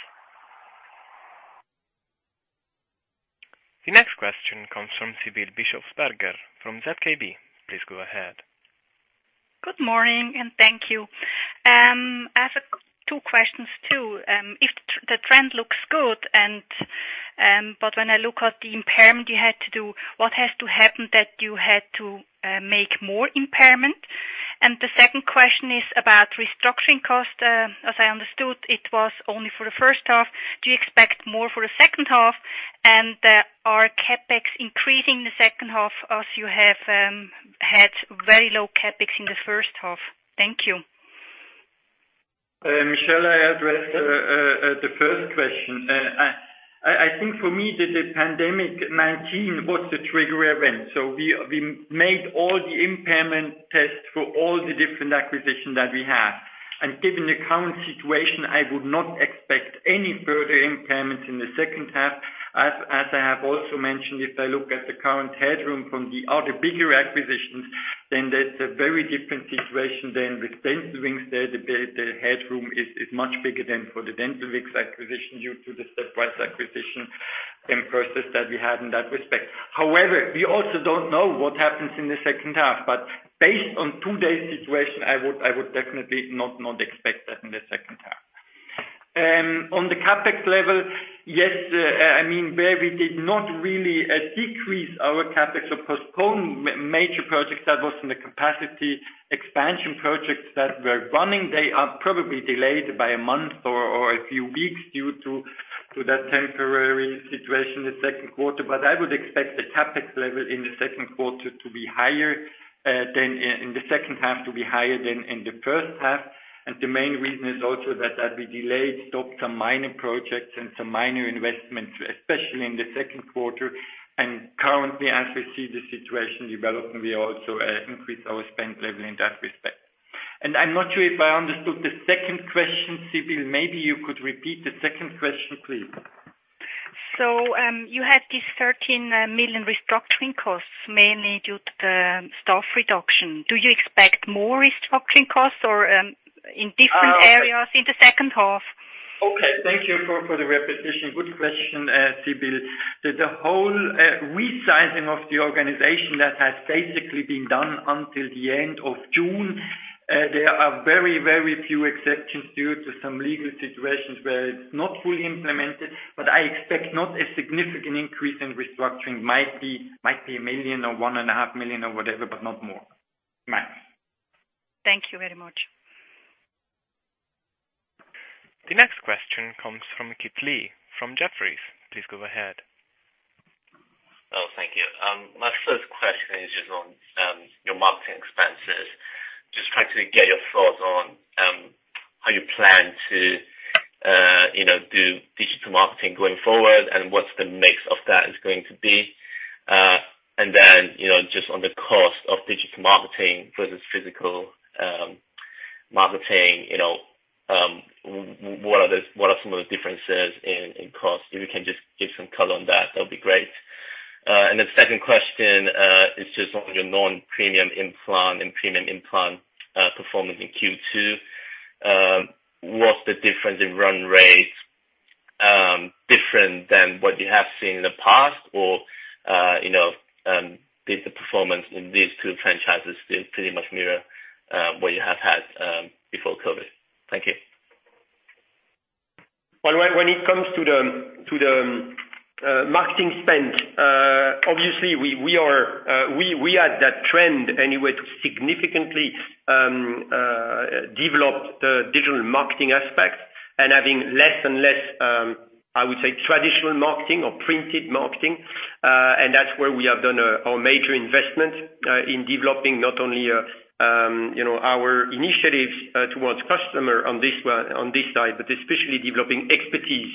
The next question comes from Sibylle Bischofberger from ZKB. Please go ahead. Good morning, and thank you. I have two questions too. If the trend looks good, when I look at the impairment you had to do, what has to happen that you had to make more impairment? The second question is about restructuring cost. As I understood, it was only for the first half. Do you expect more for the second half? Are CapEx increasing the second half as you have had very low CapEx in the first half? Thank you. Sibylle, I address the first question. I think for me, the pandemic 2019 was the trigger event. We made all the impairment tests for all the different acquisitions that we have. Given the current situation, I would not expect any further impairments in the second half. As I have also mentioned, if I look at the current headroom from the other bigger acquisitions, then that's a very different situation than with Dentsply Sirona. The headroom is much bigger than for the Dentsply Sirona acquisition due to the stepwise acquisition and process that we had in that respect. However, we also don't know what happens in the second half, but based on today's situation, I would definitely not expect that in the second half. On the CapEx level, yes, where we did not really decrease our CapEx or postpone major projects that was in the capacity expansion projects that were running, they are probably delayed by a month or a few weeks due to that temporary situation the second quarter. I would expect the CapEx level in the second half to be higher than in the first half, and the main reason is also that as we delayed, stopped some minor projects and some minor investments, especially in the second quarter, and currently as we see the situation developing, we also increase our spend level in that respect. I'm not sure if I understood the second question, Sibylle. Maybe you could repeat the second question, please. You had this 13 million restructuring costs mainly due to the staff reduction. Do you expect more restructuring costs or in different areas in the second half? Okay. Thank you for the repetition. Good question, Sibylle. The whole resizing of the organization that has basically been done until the end of June, there are very, very few exceptions due to some legal situations where it's not fully implemented, I expect not a significant increase in restructuring. Might be 1 million or one and a half million or whatever, but not more. Max. Thank you very much. The next question comes from Kit Lee from Jefferies. Please go ahead. Thank you. My first question is just on your marketing expenses. Just trying to get your thoughts on how you plan to do digital marketing going forward and what's the mix of that is going to be. Then, just on the cost of digital marketing versus physical marketing, what are some of the differences in cost? If you can just give some color on that'd be great. The second question is just on your non-premium implant and premium implant performance in Q2. Was the difference in run rates different than what you have seen in the past or did the performance in these two franchises still pretty much mirror what you have had before COVID-19? Thank you. When it comes to the marketing spend, obviously we had that trend anyway to significantly develop the digital marketing aspect and having less and less, I would say, traditional marketing or printed marketing. That's where we have done our major investment in developing not only our initiatives towards customer on this side, but especially developing expertise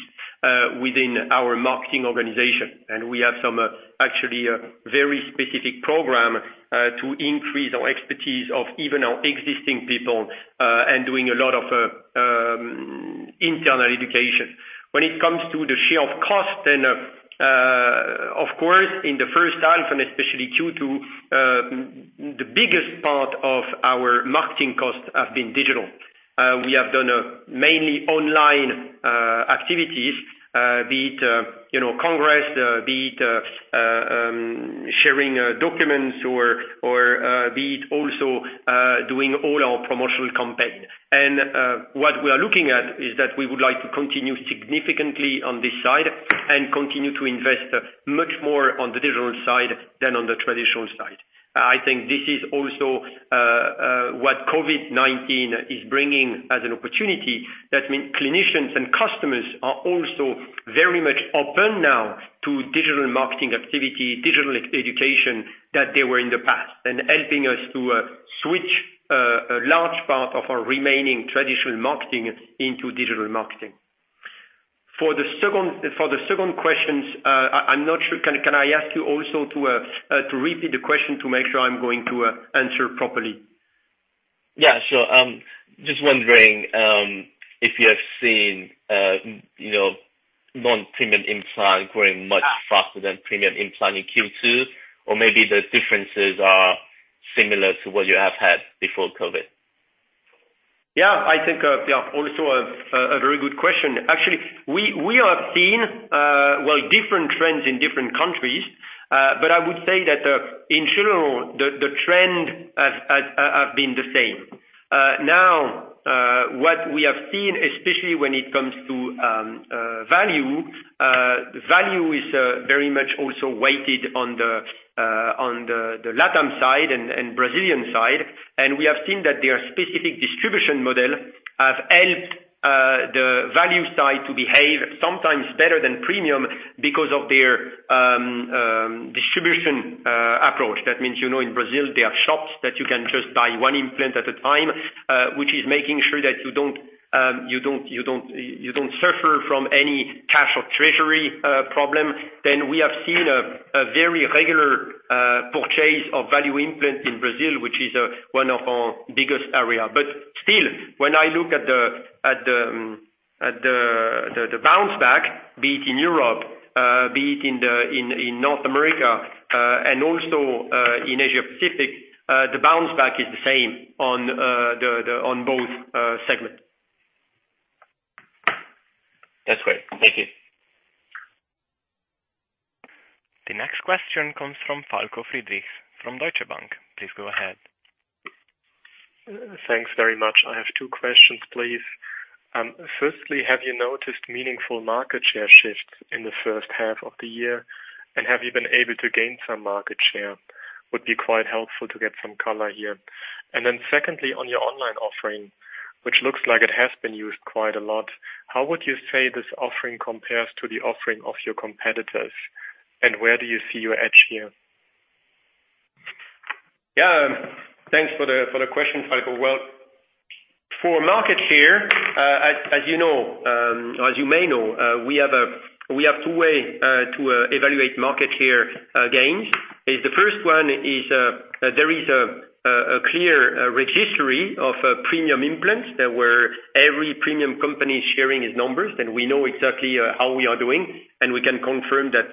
within our marketing organization. We have some actually very specific program to increase our expertise of even our existing people, and doing a lot of internal education. When it comes to the share of cost, then of course, in the first half and especially Q2, the biggest part of our marketing costs have been digital. We have done mainly online activities, be it congress, be it sharing documents or be it also doing all our promotional campaign. What we are looking at is that we would like to continue significantly on this side and continue to invest much more on the digital side than on the traditional side. I think this is also what COVID-19 is bringing as an opportunity. Clinicians and customers are also very much open now to digital marketing activity, digital education than they were in the past, and helping us to switch a large part of our remaining traditional marketing into digital marketing. For the second question, I'm not sure. Can I ask you also to repeat the question to make sure I'm going to answer properly? Yeah, sure. Just wondering if you have seen non-premium implant growing much faster than premium implant in Q2, or maybe the differences are similar to what you have had before COVID? Yeah, I think also a very good question. Actually, we have seen different trends in different countries. I would say that in general, the trend has been the same. What we have seen, especially when it comes to value is very much also weighted on the LatAm side and Brazilian side. We have seen that their specific distribution model has helped the value side to behave sometimes better than premium because of their distribution approach. That means, in Brazil, there are shops that you can just buy one implant at a time, which is making sure that you don't suffer from any cash or treasury problem. We have seen a very regular purchase of value implants in Brazil, which is one of our biggest areas. Still, when I look at the bounce back, be it in Europe, be it in North America, and also, in Asia Pacific, the bounce back is the same on both segments. That's great. Thank you. The next question comes from Falko Fecht from Deutsche Bank. Please go ahead. Thanks very much. I have two questions, please. Firstly, have you noticed meaningful market share shifts in the first half of the year, and have you been able to gain some market share? Would be quite helpful to get some color here. Secondly, on your online offering, which looks like it has been used quite a lot, how would you say this offering compares to the offering of your competitors, and where do you see your edge here? Thanks for the question, Falko. Well, for market share, as you may know, we have 2 ways to evaluate market share gains, the first one is, there is a clear registry of premium implants, where every premium company is sharing its numbers. We know exactly how we are doing, and we can confirm that.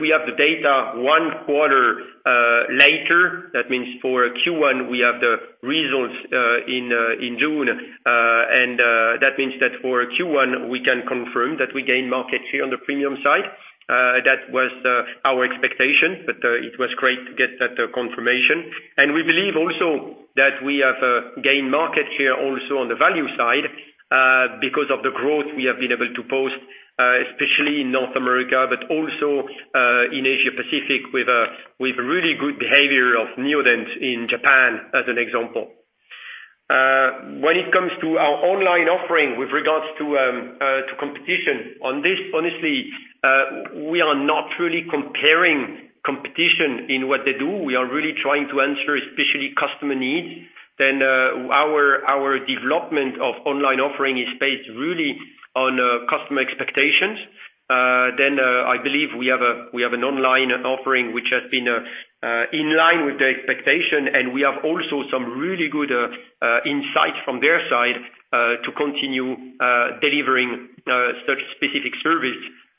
We have the data one quarter later. That means for Q1, we have the results in June. That means that for Q1, we can confirm that we gained market share on the premium side. That was our expectation, but it was great to get that confirmation. We believe also that we have gained market share also on the value side, because of the growth we have been able to post, especially in North America, but also, in Asia Pacific with really good behavior of Neodent in Japan, as an example. When it comes to our online offering with regards to competition, on this, honestly, we are not really comparing competition in what they do. We are really trying to answer especially customer needs. Our development of online offering is based really on customer expectations. I believe we have an online offering which has been in line with the expectation, and we have also some really good insights from their side, to continue delivering such specific service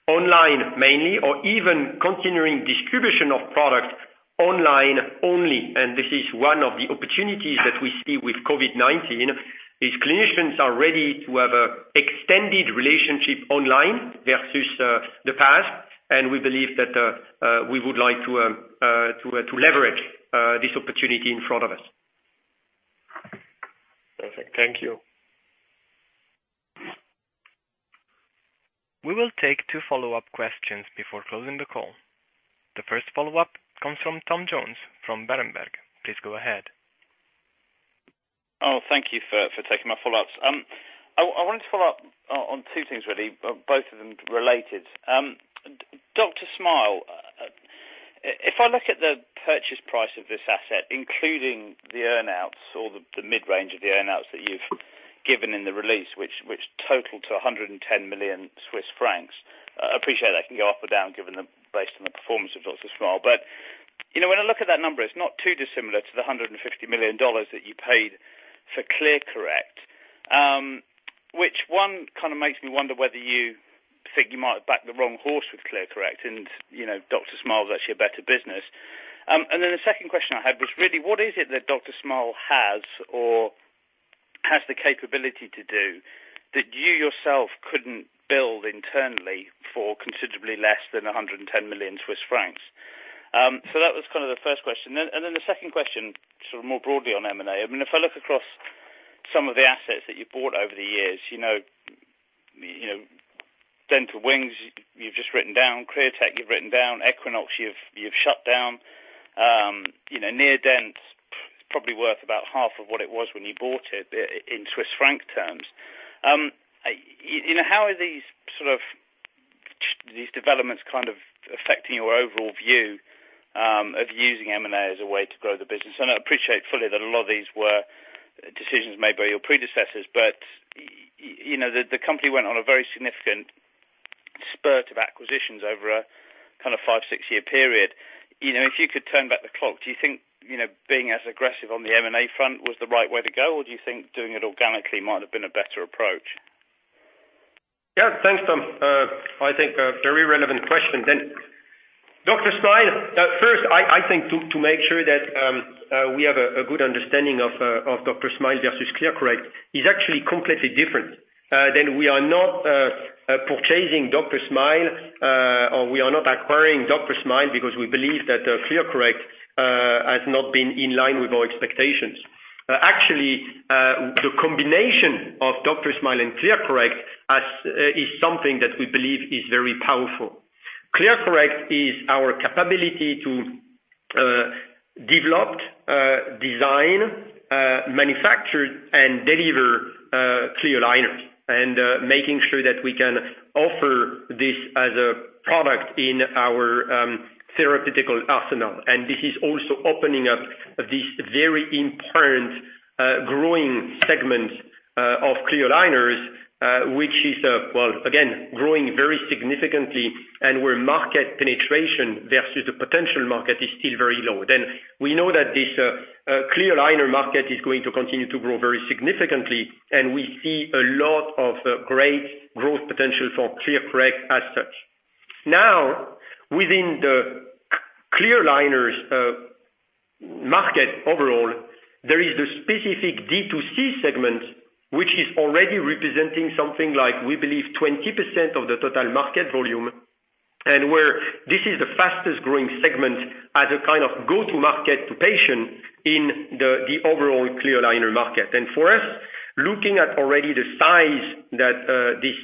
online mainly, or even continuing distribution of products online only. This is one of the opportunities that we see with COVID-19, is clinicians are ready to have extended relationship online versus the past, and we believe that we would like to leverage this opportunity in front of us. Perfect. Thank you. We will take two follow-up questions before closing the call. The first follow-up comes from Tom Jones from Berenberg. Please go ahead. Thank you for taking my follow-ups. I wanted to follow up on two things really, both of them related. DrSmile, if I look at the purchase price of this asset, including the earn-outs or the mid-range of the earn-outs that you've given in the release, which total to 110 million Swiss francs. I appreciate that can go up or down based on the performance of DrSmile. When I look at that number, it's not too dissimilar to the $150 million that you paid for ClearCorrect. Which one kind of makes me wonder whether you think you might have backed the wrong horse with ClearCorrect, and DrSmile is actually a better business. The second question I had was really, what is it that DrSmile has or has the capability to do that you yourself couldn't build internally for considerably less than 110 million Swiss francs? That was kind of the first question. The second question, sort of more broadly on M&A. If I look across some of the assets that you bought over the years, Dental Wings, you've just written down, Createch, you've written down, Equinox, you've shut down. Neodent is probably worth about half of what it was when you bought it in CHF terms. How are these developments kind of affecting your overall view of using M&A as a way to grow the business? I appreciate fully that a lot of these were decisions made by your predecessors, but the company went on a very significant spurt of acquisitions over a five, six-year period. If you could turn back the clock, do you think being as aggressive on the M&A front was the right way to go, or do you think doing it organically might have been a better approach? Yeah. Thanks, Tom. I think a very relevant question then. First, I think to make sure that we have a good understanding of DrSmile versus ClearCorrect, is actually completely different. We are not purchasing DrSmile, or we are not acquiring DrSmile because we believe that ClearCorrect has not been in line with our expectations. Actually, the combination of DrSmile and ClearCorrect is something that we believe is very powerful. ClearCorrect is our capability to develop, design, manufacture, and deliver clear aligners, and making sure that we can offer this as a product in our therapeutical arsenal. This is also opening up this very important growing segment of clear aligners, which is, well, again, growing very significantly and where market penetration versus the potential market is still very low. We know that this clear aligner market is going to continue to grow very significantly, and we see a lot of great growth potential for ClearCorrect as such. Now, within the clear aligners market overall, there is the specific D2C segment, which is already representing something like, we believe, 20% of the total market volume, and where this is the fastest growing segment as a kind of go-to market to patient in the overall clear aligner market. For us, looking at already the size that this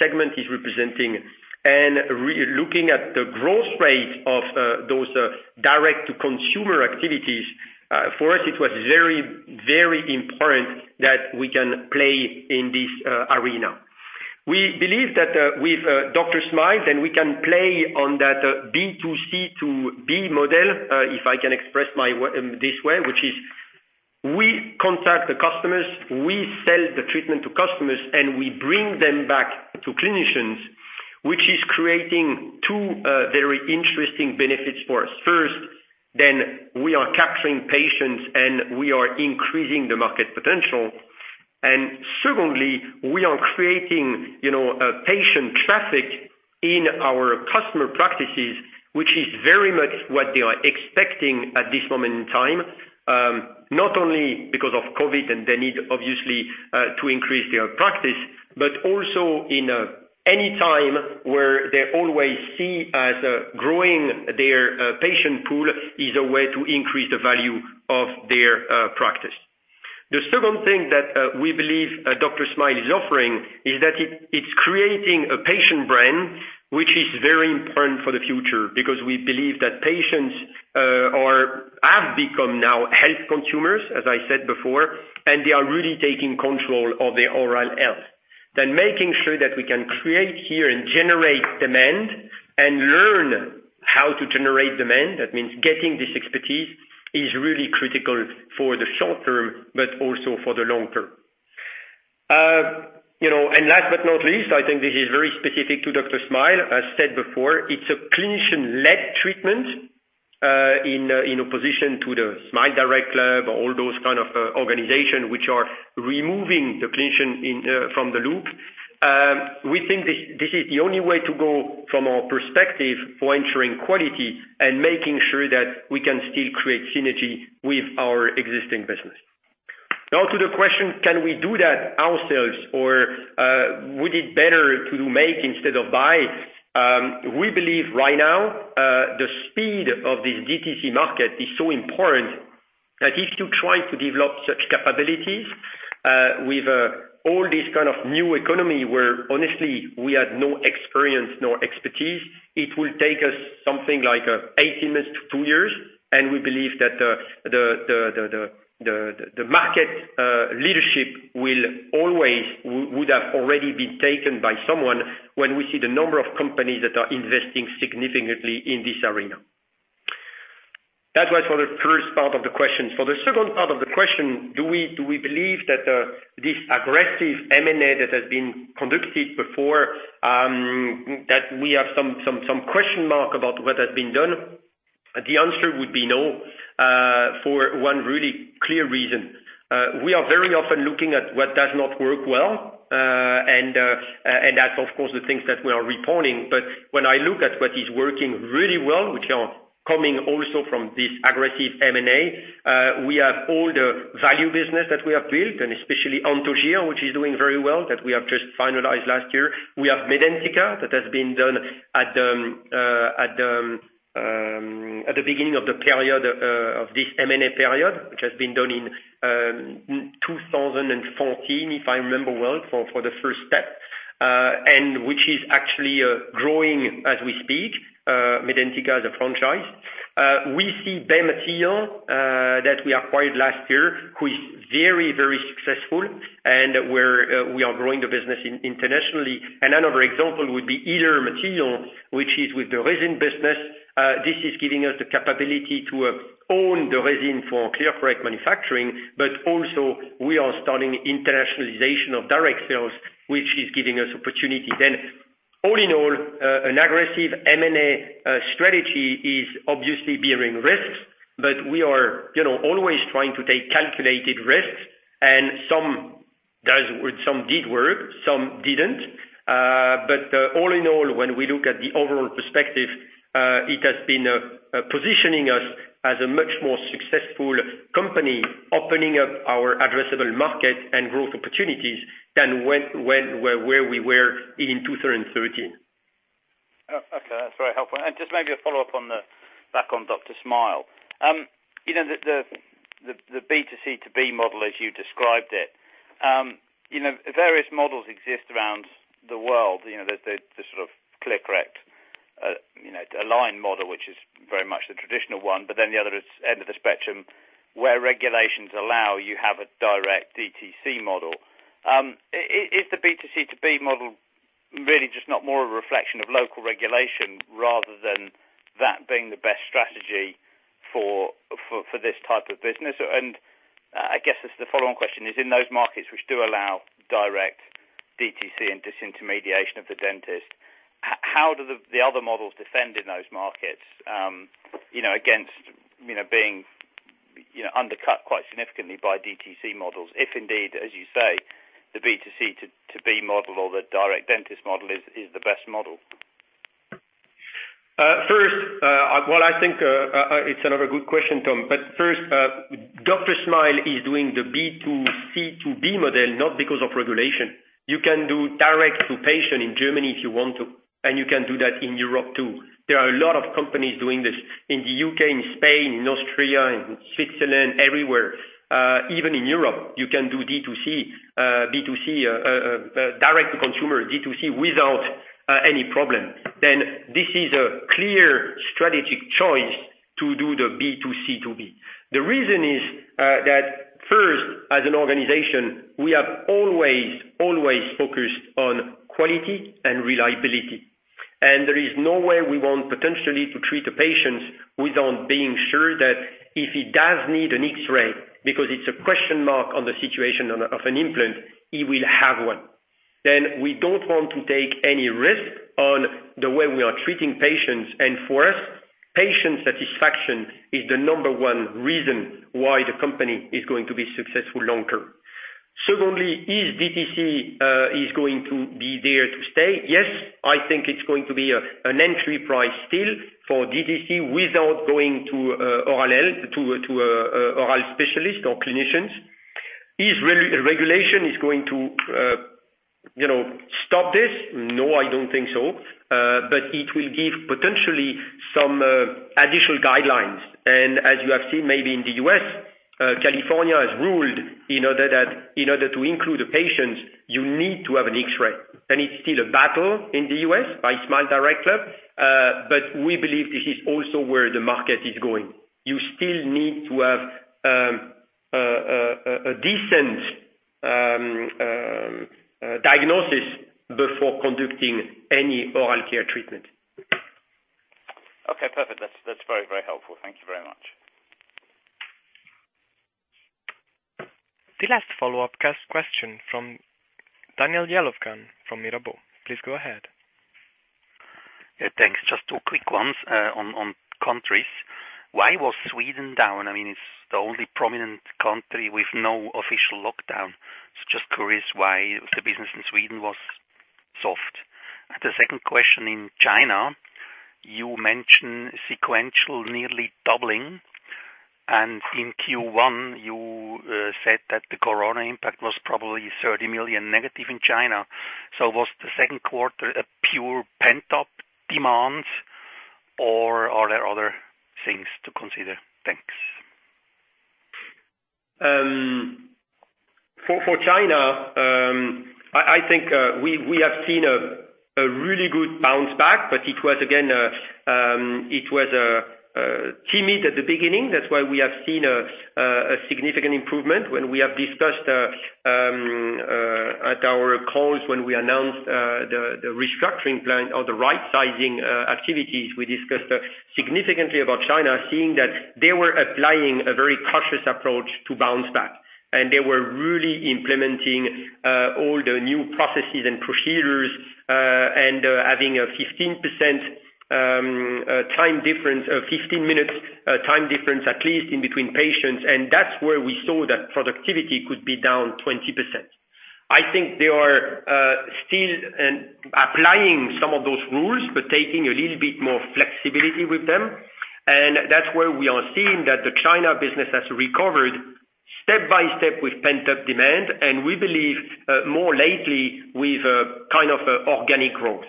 segment is representing and looking at the growth rate of those direct-to-consumer activities, for us, it was very, very important that we can play in this arena. We believe that with DrSmile, then we can play on that B2C2B model, if I can express this way, which is we contact the customers, we sell the treatment to customers, and we bring them back to clinicians, which is creating two very interesting benefits for us. First, we are capturing patients and we are increasing the market potential. Secondly, we are creating patient traffic in our customer practices, which is very much what they are expecting at this moment in time, not only because of COVID and the need obviously, to increase their practice, but also in any time where they always see as growing their patient pool is a way to increase the value of their practice. The second thing that we believe DrSmile is offering is that it's creating a patient brand, which is very important for the future because we believe that patients have become now health consumers, as I said before, and they are really taking control of their oral health. Making sure that we can create here and generate demand and learn how to generate demand, that means getting this expertise, is really critical for the short term but also for the long term. Last but not least, I think this is very specific to DrSmile. As said before, it's a clinician-led treatment, in opposition to the SmileDirectClub or all those kind of organization which are removing the clinician from the loop. We think this is the only way to go from our perspective for ensuring quality and making sure that we can still create synergy with our existing business. Now to the question, can we do that ourselves or would it better to make instead of buy? We believe right now, the speed of this D2C market is so important that if you try to develop such capabilities, with all this kind of new economy where honestly we had no experience nor expertise, it will take us something like 18 months to two years, and we believe that the market leadership would have already been taken by someone when we see the number of companies that are investing significantly in this arena. That was for the first part of the question. For the second part of the question, do we believe that this aggressive M&A that has been conducted before, that we have some question mark about what has been done? The answer would be no, for one really clear reason. We are very often looking at what does not work well, and that's of course, the things that we are reporting. When I look at what is working really well, which are coming also from this aggressive M&A, we have all the value business that we have built, and especially Anthogyr, which is doing very well, that we have just finalized last year. We have Medentika that has been done at the beginning of this M&A period, which has been done in 2014, if I remember well, for the first step, and which is actually growing as we speak, Medentika as a franchise. We see Bay Materials, that we acquired last year, who is very successful and we are growing the business internationally. Another example would be Yller, which is with the resin business. This is giving us the capability to own the resin for ClearCorrect manufacturing. Also, we are starting internationalization of direct sales, which is giving us opportunity then. All in all, an aggressive M&A strategy is obviously bearing risks. We are always trying to take calculated risks, and some did work, some didn't. All in all, when we look at the overall perspective, it has been positioning us as a much more successful company, opening up our addressable market and growth opportunities than where we were in 2013. Okay. That's very helpful. Just maybe a follow-up back on DrSmile. The B2C2B model as you described it, various models exist around the world, the sort of ClearCorrect, Align model, which is very much the traditional one. The other end of the spectrum, where regulations allow you have a direct DTC model. Is the B2C2B model really just not more a reflection of local regulation rather than that being the best strategy for this type of business? I guess it's the follow-on question is, in those markets which do allow direct DTC and disintermediation of the dentist, how do the other models defend in those markets against being undercut quite significantly by DTC models, if indeed, as you say, the B2C2B model or the direct dentist model is the best model? First, well, I think it's another good question, Tom. First, DrSmile is doing the B2C2B model, not because of regulation. You can do direct to patient in Germany if you want to, and you can do that in Europe too. There are a lot of companies doing this in the U.K., in Spain, in Austria, in Switzerland, everywhere. Even in Europe, you can do D2C, B2C, direct to consumer, D2C without any problem. This is a clear strategic choice to do the B2C2B. The reason is, that first, as an organization, we have always focused on quality and reliability. There is no way we want potentially to treat the patients without being sure that if he does need an X-ray, because it's a question mark on the situation of an implant, he will have one. We don't want to take any risk on the way we are treating patients. For us, patient satisfaction is the number one reason why the company is going to be successful long term. Secondly, DTC is going to be there to stay? Yes, I think it's going to be an entry price still for DTC without going to a oral health specialist or clinicians. Is regulation going to stop this? No, I don't think so. It will give potentially some additional guidelines. As you have seen, maybe in the U.S., California has ruled, in order to include the patients, you need to have an X-ray. It's still a battle in the U.S. by SmileDirectClub. We believe this is also where the market is going. You still need to have a decent diagnosis before conducting any oral care treatment. Okay, perfect. That's very helpful. Thank you very much. The last follow-up question from Daniel Jelovcan from Mirabaud. Please go ahead. Yeah, thanks. Just two quick ones, on countries. Why was Sweden down? I mean, it's the only prominent country with no official lockdown. Just curious why the business in Sweden was soft. The second question in China, you mentioned sequential nearly doubling, and in Q1 you said that the corona impact was probably 30 million negative in China. Was the second quarter a pure pent-up demand or are there other things to consider? Thanks. For China, I think, we have seen a really good bounce back, but it was timid at the beginning. That's why we have seen a significant improvement when we have discussed at our calls when we announced the restructuring plan or the right-sizing activities, we discussed significantly about China, seeing that they were applying a very cautious approach to bounce back. They were really implementing all the new processes and procedures, and having a 15 minutes time difference, at least in between patients. That's where we saw that productivity could be down 20%. I think they are still applying some of those rules, but taking a little bit more flexibility with them. That's where we are seeing that the China business has recovered step-by-step with pent-up demand, and we believe more lately with kind of organic growth.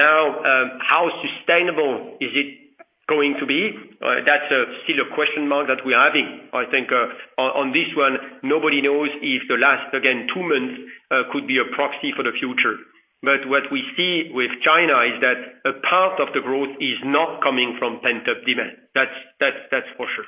How sustainable is it going to be? That's still a question mark that we're having. I think, on this one, nobody knows if the last, again, two months could be a proxy for the future. What we see with China is that a part of the growth is not coming from pent-up demand. That's for sure.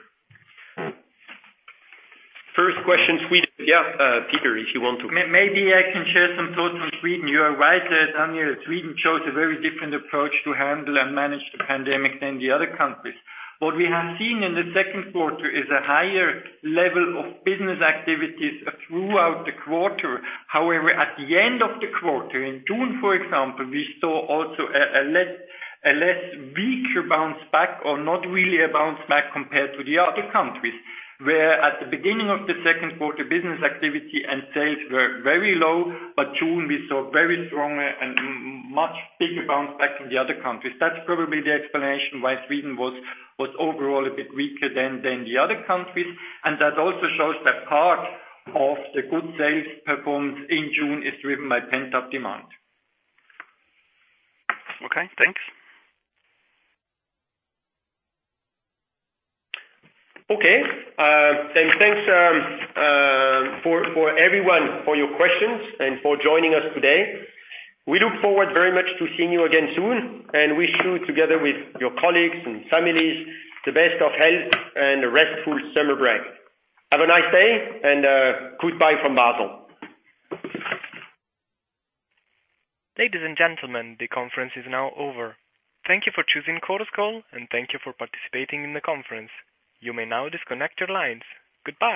First question, Sweden. Yeah, Peter, if you want to. Maybe I can share some thoughts on Sweden. You are right that Daniel, Sweden chose a very different approach to handle and manage the pandemic than the other countries. What we have seen in the second quarter is a higher level of business activities throughout the quarter. At the end of the quarter, in June, for example, we saw also a less weaker bounce back or not really a bounce back compared to the other countries. Where at the beginning of the second quarter, business activity and sales were very low, June we saw very strong and much bigger bounce back from the other countries. That's probably the explanation why Sweden was overall a bit weaker than the other countries. That also shows that part of the good sales performance in June is driven by pent-up demand. Okay, thanks. Okay. Thanks, everyone for your questions and for joining us today. We look forward very much to seeing you again soon, and wish you together with your colleagues and families the best of health and a restful summer break. Have a nice day. Goodbye from Basel. Ladies and gentlemen, the conference is now over. Thank you for choosing Chorus Call, and thank you for participating in the conference. You may now disconnect your lines. Goodbye.